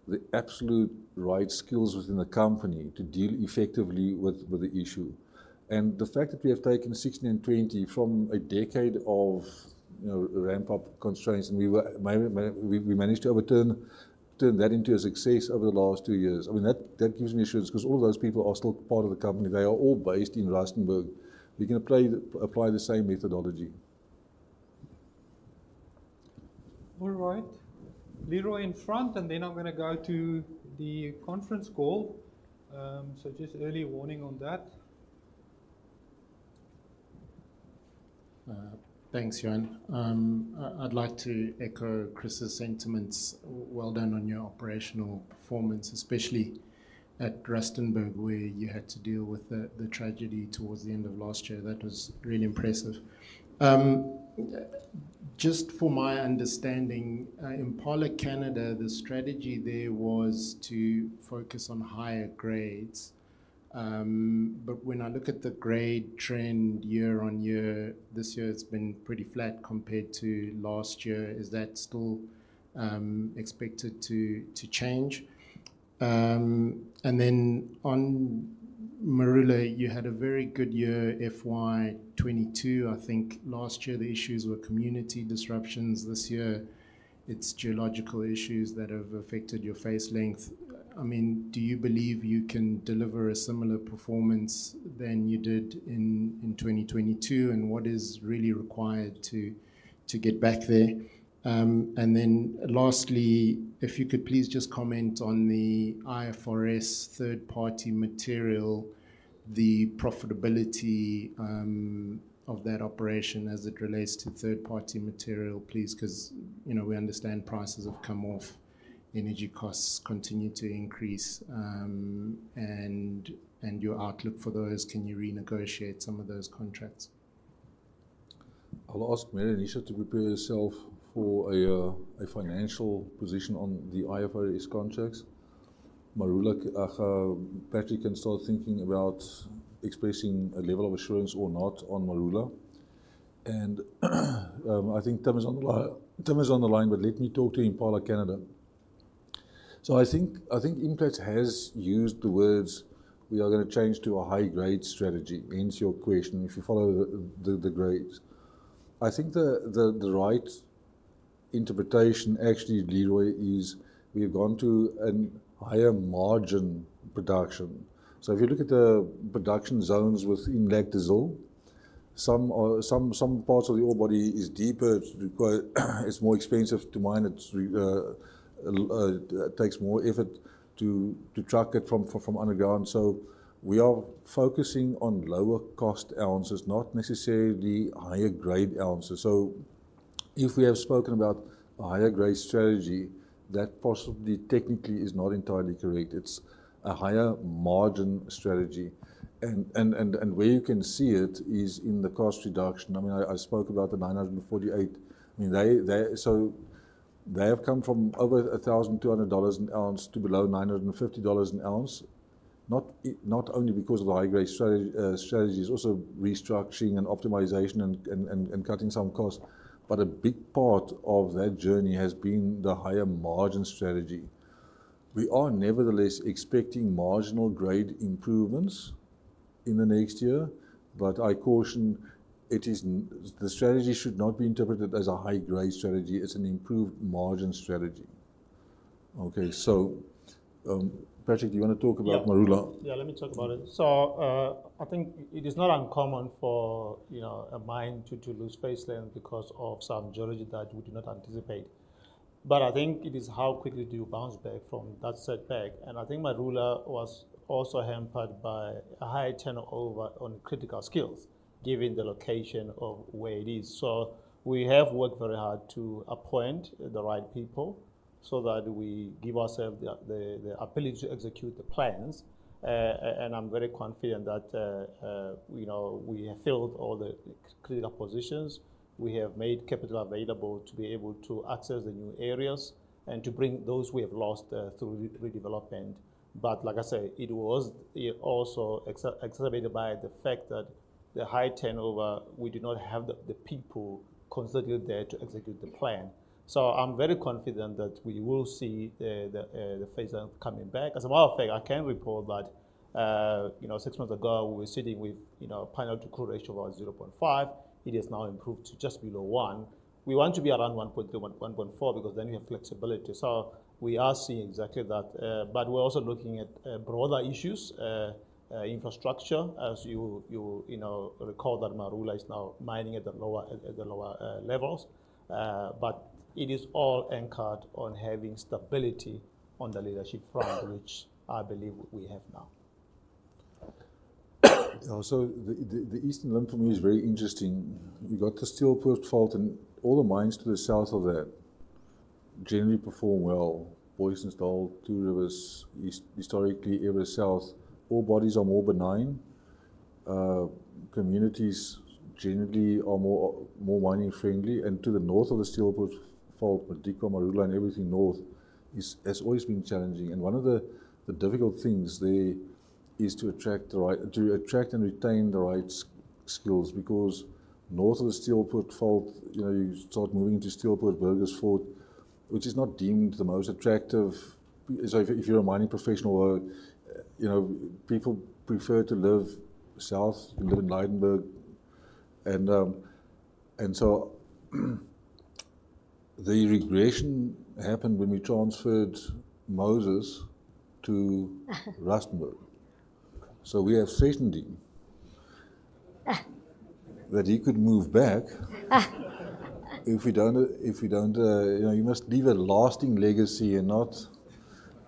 the absolute right skills within the company to deal effectively with the issue. And the fact that we have taken 16 and 20 from a decade of, you know, ramp-up constraints, and we were we managed to overturn that into a success over the last two years. I mean, that gives me assurance 'cause all of those people are still part of the company. They are all based in Rustenburg. We're gonna apply the same methodology. All right. Leroy in front, and then I'm gonna go to the conference call. So just early warning on that. Thanks, Johan. I'd like to echo Chris's sentiments. Well done on your operational performance, especially at Rustenburg, where you had to deal with the tragedy towards the end of last year. That was really impressive. Just for my understanding, Impala Canada, the strategy there was to focus on higher grades. But when I look at the grade trend year-on-year, this year it's been pretty flat compared to last year. Is that still expected to change? And then on Marula, you had a very good year, FY 2022. I think last year the issues were community disruptions. This year it's geological issues that have affected your face length. I mean, do you believe you can deliver a similar performance than you did in 2022, and what is really required to get back there? and then lastly, if you could please just comment on the IRS third-party material, the profitability of that operation as it relates to third-party material, please, 'cause, you know, we understand prices have come off, energy costs continue to increase, and your outlook for those, can you renegotiate some of those contracts? I'll ask Meroonisha Kerber to prepare herself for a financial position on the IRS contracts. Marula, Patrick Morutlwa can start thinking about expressing a level of assurance or not on Marula. I think Tim Hill is on the line. Tim Hill is on the line, but let me talk to Impala Canada. I think Implats has used the words, "We are gonna change to a high-grade strategy," hence your question, if you follow the grades. I think the right interpretation, actually, Leroy, is we have gone to a higher margin production. If you look at the production zones within Lac des Iles, some parts of the ore body is deeper, but it's more expensive to mine. It takes more effort to track it from underground. We are focusing on lower cost ounces, not necessarily higher grade ounces. If we have spoken about a higher grade strategy, that possibly, technically, is not entirely correct. It's a higher margin strategy, and where you can see it is in the cost reduction. I mean, I spoke about the $948. I mean, they. So they have come from over $1,200 an ounce to below $950 an ounce, not only because of the high-grade strategies, also restructuring and optimization and cutting some costs, but a big part of that journey has been the higher margin strategy. We are nevertheless expecting marginal grade improvements in the next year, but I caution it is the strategy should not be interpreted as a high-grade strategy. It's an improved margin strategy. Okay, so, Patrick, do you wanna talk about Marula? Yeah, yeah, let me talk about it. So, I think it is not uncommon for, you know, a mine to lose face length because of some geology that we do not anticipate. But I think it is how quickly do you bounce back from that setback, and I think Marula was also hampered by a high turnover on critical skills, given the location of where it is. So we have worked very hard to appoint the right people so that we give ourselves the ability to execute the plans. And I'm very confident that, you know, we have filled all the critical positions. We have made capital available to be able to access the new areas and to bring those we have lost through redevelopment. But like I say, it was also exacerbated by the fact that the high turnover, we did not have the people constantly there to execute the plan. So I'm very confident that we will see the pace coming back. As a matter of fact, I can report that you know, six months ago, we were sitting with you know, a PGM to crude ratio of around zero point five. It has now improved to just below one. We want to be around one point one to one point four because then we have flexibility. So we are seeing exactly that, but we're also looking at broader issues, infrastructure, as you know, recall that Marula is now mining at the lower levels. But it is all anchored on having stability on the leadership front, which I believe we have now. The Eastern Limb is very interesting. We got the Steelpoort Fault, and all the mines to the south of that generally perform well. Booysendal, Two Rivers. East, historically, everywhere south, all bodies are more benign. Communities generally are more mining friendly, and to the north of the Steelpoort Fault, Modikwa, Marula, and everything north has always been challenging. One of the difficult things there is to attract and retain the right skills, because north of the Steelpoort Fault, you know, you start moving to Steelpoort, Burgersfort, which is not deemed the most attractive. If you're a mining professional or, you know, people prefer to live south, you live in Lydenburg. And so the regression happened when we transferred Moses to Rustenburg. We have threatened him that he could move back. If we don't, you know, he must leave a lasting legacy and not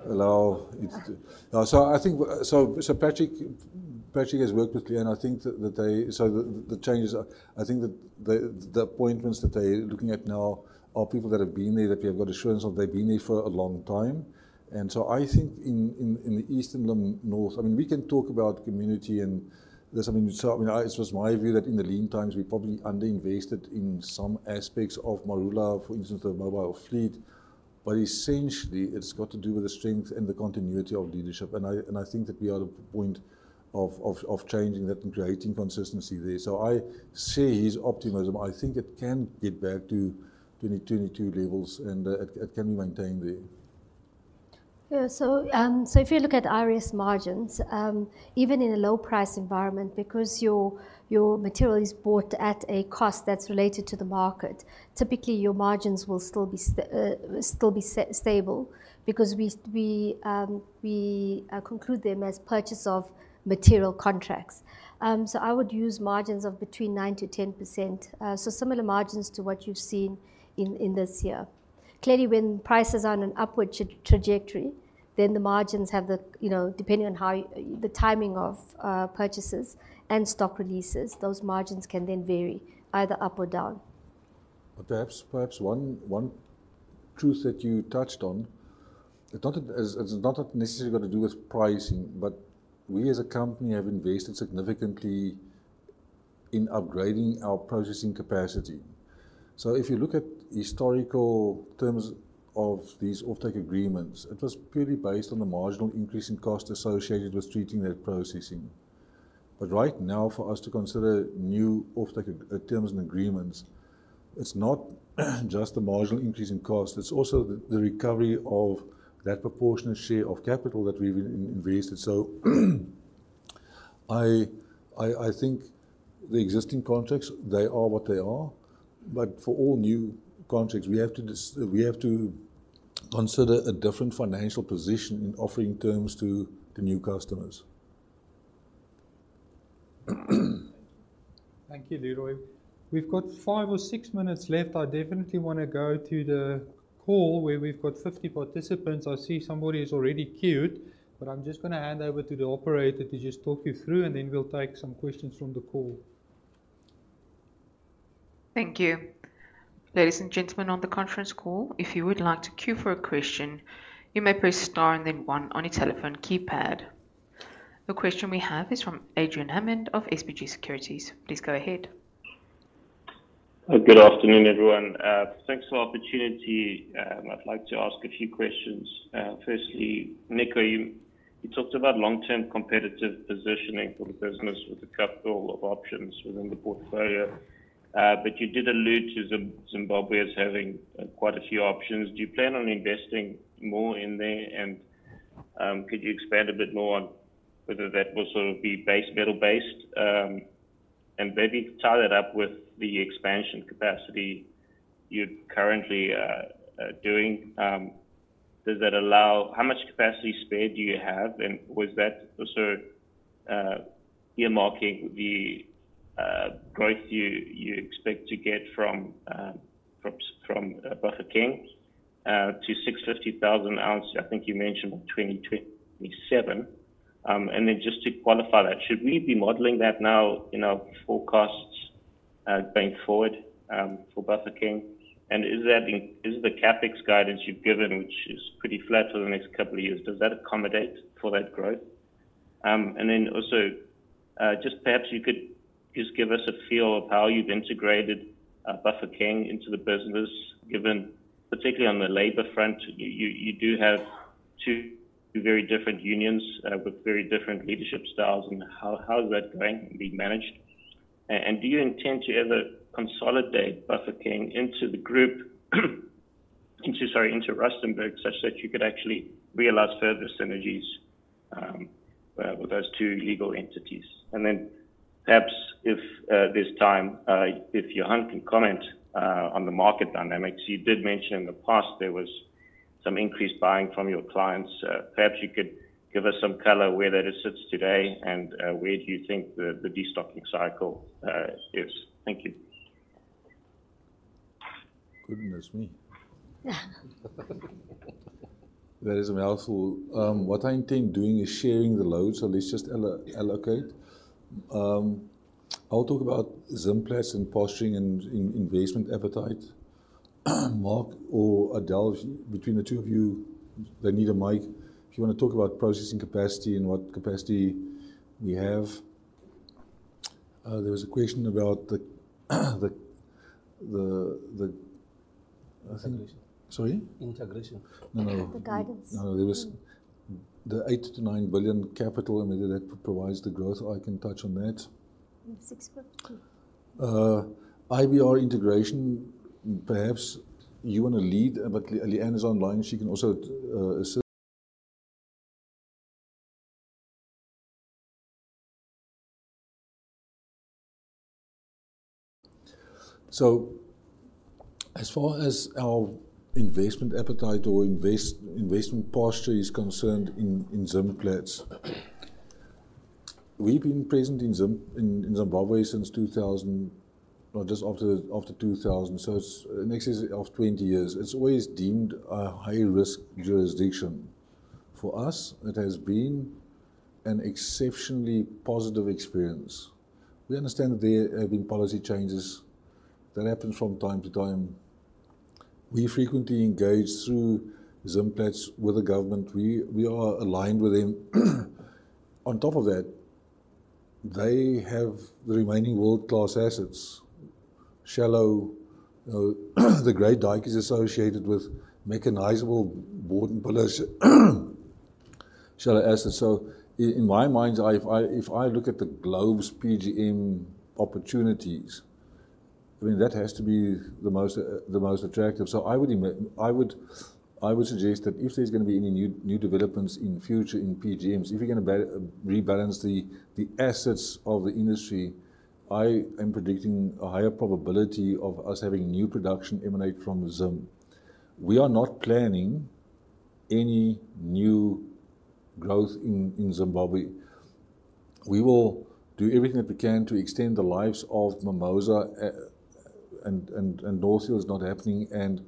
allow it to. So I think, so Patrick has worked with Lee-Ann, I think that they, so the changes are. I think the appointments that they're looking at now are people that have been there, that we have got assurance of. They've been there for a long time. And so I think in the Eastern Limb, northern Limpopo, I mean, we can talk about community, and there's, I mean, it was my view that in the lean times, we probably underinvested in some aspects of Marula, for instance, the mobile fleet. But essentially, it's got to do with the strength and the continuity of leadership, and I think that we are at a point of changing that and creating consistency there. So I share his optimism. I think it can get back to 2022 levels, and it can be maintained there. Yeah. So if you look at IRS margins, even in a low price environment, because your material is bought at a cost that's related to the market, typically, your margins will still be stable because we conclude them as purchase of material contracts. So I would use margins of between 9% and 10%. So similar margins to what you've seen in this year. Clearly, when prices are on an upward trajectory, then the margins have the, you know, depending on how you the timing of purchases and stock releases, those margins can then vary either up or down. But perhaps one truth that you touched on, it's not that. It's not necessarily got to do with pricing, but we as a company have invested significantly in upgrading our processing capacity. So if you look at historical terms of these offtake agreements, it was purely based on the marginal increase in cost associated with treating that processing. But right now, for us to consider new offtake terms and agreements, it's not just the marginal increase in cost, it's also the recovery of that proportionate share of capital that we've invested. So I think the existing contracts, they are what they are, but for all new contracts, we have to consider a different financial position in offering terms to the new customers. Thank you, Leroy. We've got five or six minutes left. I definitely wanna go to the call, where we've got 50 participants. I see somebody is already queued, but I'm just gonna hand over to the operator to just talk you through, and then we'll take some questions from the call. Thank you. Ladies and gentlemen, on the conference call, if you would like to queue for a question, you may press star and then one on your telephone keypad. The question we have is from Adrian Hammond of SBG Securities. Please go ahead. Good afternoon, everyone. Thanks for the opportunity. I'd like to ask a few questions. Firstly, Nico, you talked about long-term competitive positioning for the business with capital allocation options within the portfolio. But you did allude to Zimbabwe as having quite a few options. Do you plan on investing more in there? And could you expand a bit more on whether that will sort of be base metal-based? And maybe tie that up with the expansion capacity you're currently doing. Does that allow? How much capacity spare do you have, and was that also earmarking the growth you expect to get from Bafokeng to 650,000 ounces, I think you mentioned by 2027. And then just to qualify that, should we be modeling that now in our forecasts, going forward, for Bafokeng? And is that in the CapEx guidance you've given, which is pretty flat for the next couple of years, does that accommodate for that growth? And then also, just perhaps you could just give us a feel of how you've integrated, Bafokeng into the business, given particularly on the labor front, you do have two very different unions, with very different leadership styles. And how is that going to be managed? And do you intend to ever consolidate Bafokeng into the group, into, sorry, into Rustenburg, such that you could actually realize further synergies, with those two legal entities? Then perhaps if there's time, if Johan can comment on the market dynamics. You did mention in the past there was some increased buying from your clients. Perhaps you could give us some color where that sits today, and where do you think the destocking cycle is? Thank you. Goodness me! That is a mouthful. What I intend doing is sharing the load, so let's just allocate. I'll talk about Zimplats and posturing and investment appetite. Mark or Adelle, between the two of you, they need a mic. If you wanna talk about processing capacity and what capacity we have. There was a question about the, I think- Integration. Sorry? Integration. No, no. The guidance. No, there was the 8 billion-9 billion capital, and whether that provides the growth. I can touch on that. The 650. IBR integration, perhaps you wanna lead, but Lee-Ann is online. She can also assist. So as far as our investment appetite or investment posture is concerned in Zimplats, we've been present in Zimbabwe since 2000 or just after 2000, so it's in excess of 20 years. It's always deemed a high-risk jurisdiction. For us, it has been an exceptionally positive experience. We understand that there have been policy changes that happen from time to time. We frequently engage through Zimplats with the government. We are aligned with them. On top of that, they have the remaining world-class assets, shallow, the Great Dyke associated with mechanizable bord and pillar. Shallow assets. So in my mind's eye, if I look at the globe's PGM opportunities, I mean, that has to be the most attractive. So I would suggest that if there's gonna be any new developments in future in PGMs, if you're gonna rebalance the assets of the industry, I am predicting a higher probability of us having new production emanate from Zim. We are not planning any new growth in Zimbabwe. We will do everything that we can to extend the lives of Mimosa, North Hill is not happening, and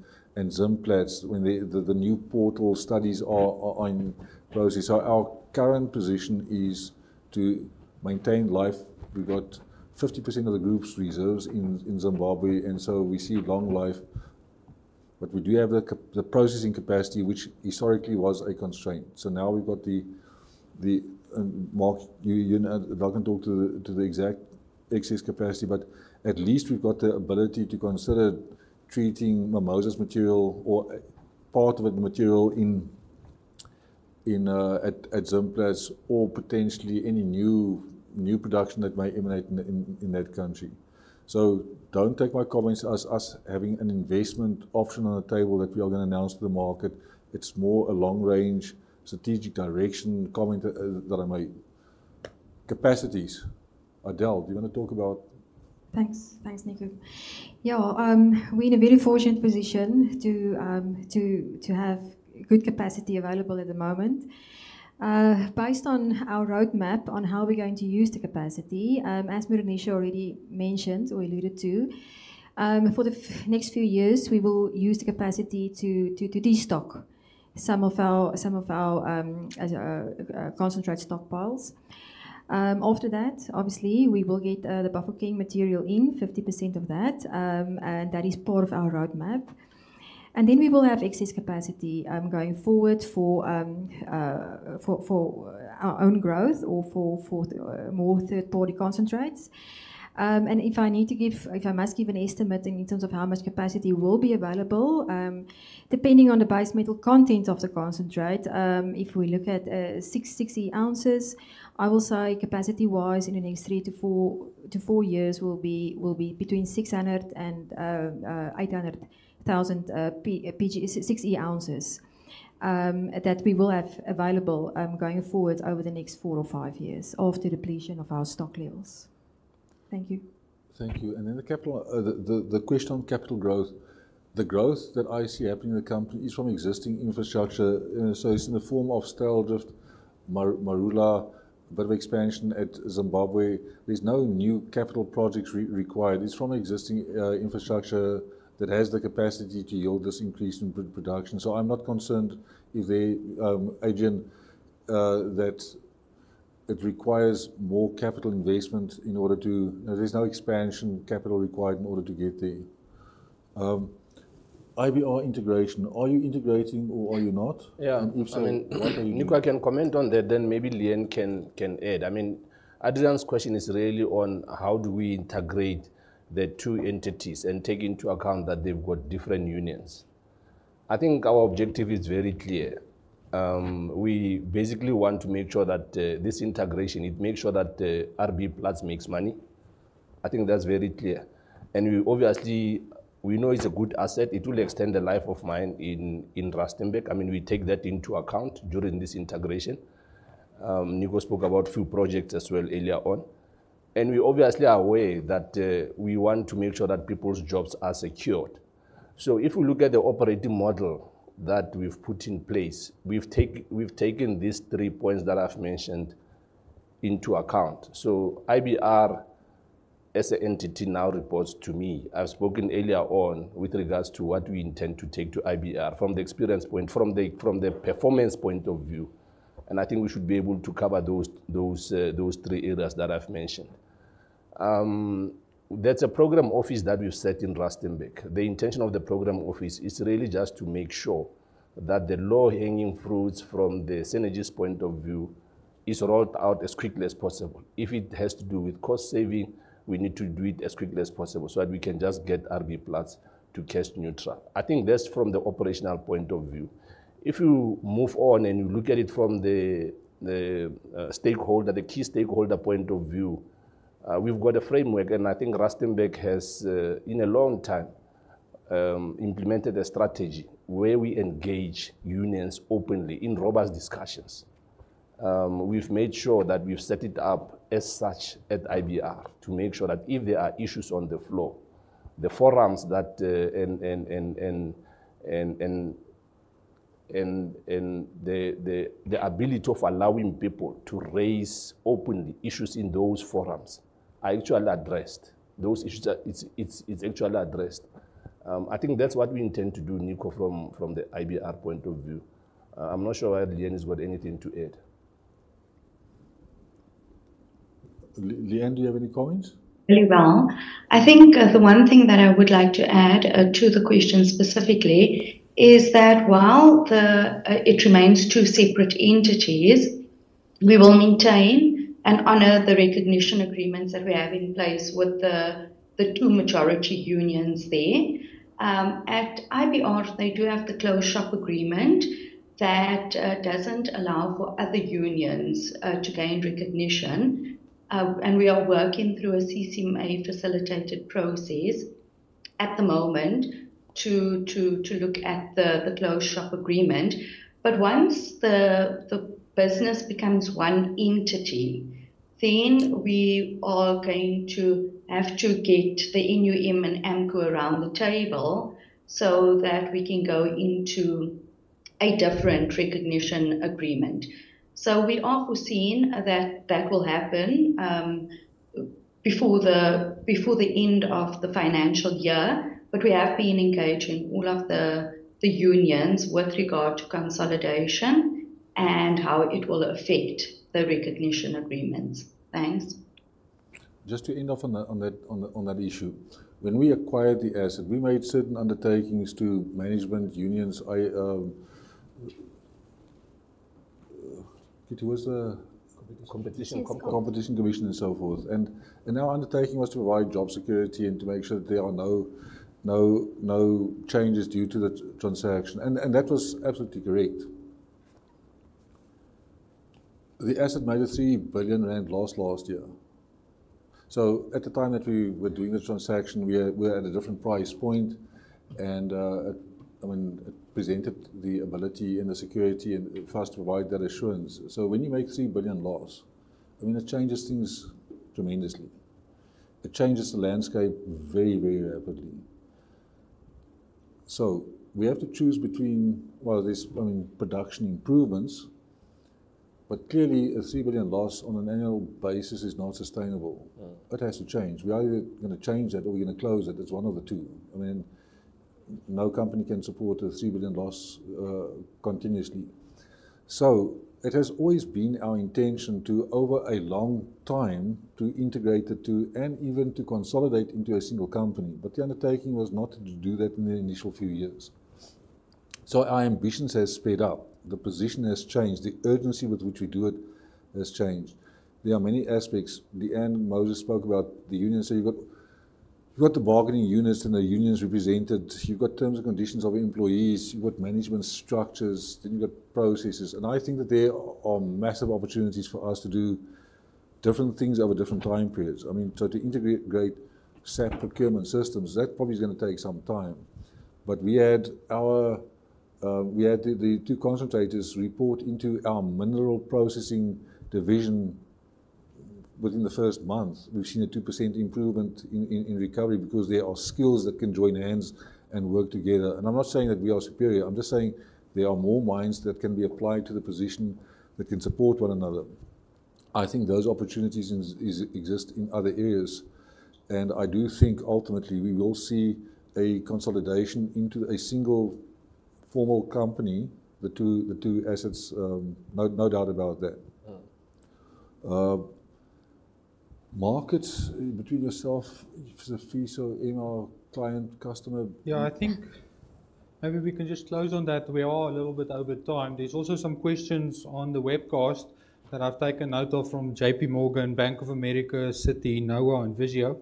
Zimplats, when the new portal studies are in process. Our current position is to maintain life. We've got 50% of the group's reserves in Zimbabwe, and so we see long life. But we do have the processing capacity, which historically was a constraint. So now we've got the. Mark, you know, I can talk to the exact excess capacity, but at least we've got the ability to consider treating Mimosa's material or part of the material in at Zimplats, or potentially any new production that may emanate in that country. So don't take my comments as us having an investment option on the table that we are gonna announce to the market. It's more a long-range strategic direction comment that I made. Capacities. Adelle, do you wanna talk about- Thanks. Thanks, Nico. Yeah, we're in a very fortunate position to have good capacity available at the moment. Based on our roadmap on how we're going to use the capacity, as Meroonisha already mentioned or alluded to, for the next few years, we will use the capacity to destock some of our concentrate stockpiles. After that, obviously, we will get the Bafokeng material in, 50% of that, and that is part of our roadmap. And then we will have excess capacity going forward for our own growth or for more third-party concentrates. And if I need to give - if I must give an estimate in terms of how much capacity will be available, depending on the base metal content of the concentrate, if we look at 6E ounces, I will say capacity-wise, in the next three to four years will be between 600,000 and 800,000 6E ounces that we will have available going forward over the next four or five years after depletion of our stock levels. Thank you. Thank you. And then the capital, the question on capital growth, the growth that I see happening in the company is from existing infrastructure. So it's in the form of Styldrift, Marula, bit of expansion at Zimbabwe. There's no new capital projects required. It's from existing infrastructure that has the capacity to yield this increase in production. So I'm not concerned if they, Adrian, that it requires more capital investment in order to. There's no expansion capital required in order to get there. IBR integration, are you integrating or are you not? Yeah. If so, what are you doing? Nico, I can comment on that, then maybe Lee-Ann can add. I mean, Adrian's question is really on how do we integrate the two entities and take into account that they've got different unions. I think our objective is very clear. We basically want to make sure that this integration makes sure that RBPlat makes money. I think that's very clear. And we obviously know it's a good asset. It will extend the life of mine in Rustenburg. I mean, we take that into account during this integration. Nico spoke about a few projects as well earlier on, and we obviously are aware that we want to make sure that people's jobs are secured. So if we look at the operating model that we've put in place, we've taken these three points that I've mentioned into account. So IBR, as an entity, now reports to me. I've spoken earlier on with regards to what we intend to take to IBR from the experience point, from the performance point of view, and I think we should be able to cover those three areas that I've mentioned. There's a program office that we've set in Rustenburg. The intention of the program office is really just to make sure that the low-hanging fruits from the synergies point of view is rolled out as quickly as possible. If it has to do with cost saving, we need to do it as quickly as possible so that we can just get RBPlat to cash neutral. I think that's from the operational point of view. If you move on and you look at it from the key stakeholder point of view, we've got a framework, and I think Rustenburg has in a long time implemented a strategy where we engage unions openly in robust discussions. We've made sure that we've set it up as such at IBR to make sure that if there are issues on the floor, the forums and the ability of allowing people to raise openly issues in those forums are actually addressed. Those issues are. It's actually addressed. I think that's what we intend to do, Nico, from the IBR point of view. I'm not sure whether Lee-Ann has got anything to add. Lee-Ann, do you have any comments? Very well. I think, the one thing that I would like to add, to the question specifically is that while the, it remains two separate entities, we will maintain and honor the recognition agreements that we have in place with the, the two majority unions there. At IBR, they do have the closed shop agreement that, doesn't allow for other unions, to gain recognition. And we are working through a CCMA-facilitated process at the moment to look at the closed shop agreement. But once the, the business becomes one entity, then we are going to have to get the NUM and AMCU around the table so that we can go into a different recognition agreement. We foresee that it will happen before the end of the financial year, but we have been engaging all of the unions with regard to consolidation and how it will affect the recognition agreements. Thanks. Just to end off on that issue, when we acquired the asset, we made certain undertakings to management unions. I, it was, Competition. Competition. Yes Competition Commission and so forth. Our undertaking was to provide job security and to make sure that there are no changes due to the transaction, and that was absolutely correct. The asset made a 3 billion rand loss last year. At the time that we were doing the transaction, we were at a different price point. I mean, it presented the ability and the security for us to provide that assurance. When you make a 3 billion loss, I mean, it changes things tremendously. It changes the landscape very rapidly. We have to choose between production improvements, but clearly, a 3 billion loss on an annual basis is not sustainable. Yeah. It has to change. We are either gonna change that or we're gonna close it. It's one of the two. I mean, no company can support a three billion loss continuously. So it has always been our intention to, over a long time, to integrate the two and even to consolidate into a single company. But the undertaking was not to do that in the initial few years. So our ambitions has sped up, the position has changed, the urgency with which we do it has changed. There are many aspects. At the end, Moses spoke about the union. So you've got, you've got the bargaining units and the unions represented, you've got terms and conditions of employees, you've got management structures, then you've got processes. And I think that there are massive opportunities for us to do different things over different time periods. I mean, so to integrate SAP procurement systems, that probably is gonna take some time. But we had our, we had the two concentrators report into our mineral processing division within the first month. We've seen a 2% improvement in recovery because there are skills that can join hands and work together. And I'm not saying that we are superior, I'm just saying there are more minds that can be applied to the position that can support one another. I think those opportunities is exist in other areas, and I do think ultimately we will see a consolidation into a single formal company, the two assets, no doubt about that. Yeah. Markets between yourself, Sifiso, and our client customer- Yeah, I think maybe we can just close on that. We are a little bit over time. There's also some questions on the webcast that I've taken note of from JPMorgan, Bank of America, Citi, Noah, and Visio.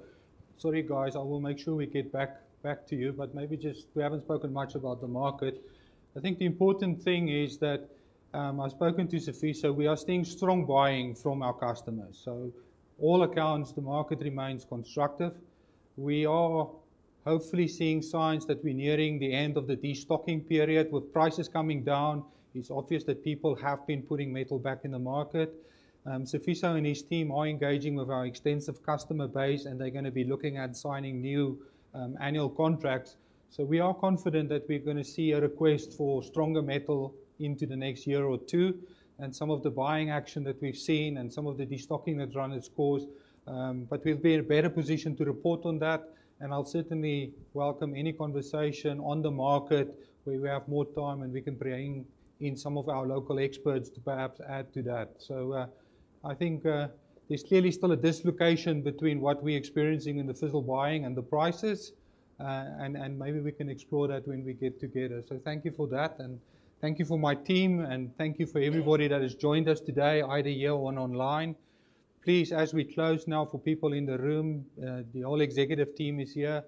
Sorry, guys, I will make sure we get back to you, but maybe just we haven't spoken much about the market. I think the important thing is that, I've spoken to Sifiso, we are seeing strong buying from our customers. So all accounts, the market remains constructive. We are hopefully seeing signs that we're nearing the end of the destocking period. With prices coming down, it's obvious that people have been putting metal back in the market. Sifiso and his team are engaging with our extensive customer base, and they're gonna be looking at signing new, annual contracts. So we are confident that we're gonna see a request for stronger metal into the next year or two, and some of the buying action that we've seen and some of the destocking that's run its course. But we'll be in a better position to report on that, and I'll certainly welcome any conversation on the market where we have more time, and we can bring in some of our local experts to perhaps add to that. So, I think there's clearly still a dislocation between what we're experiencing in the physical buying and the prices. And maybe we can explore that when we get together. So thank you for that, and thank you for my team, and thank you for everybody that has joined us today, either here or online. Please, as we close now, for people in the room, the whole executive team is here.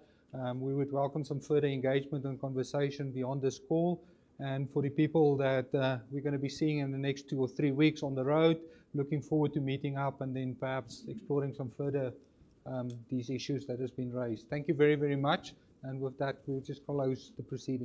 We would welcome some further engagement and conversation beyond this call, and for the people that we're gonna be seeing in the next two or three weeks on the road, looking forward to meeting up and then perhaps exploring some further these issues that has been raised. Thank you very, very much, and with that, we'll just close the proceedings.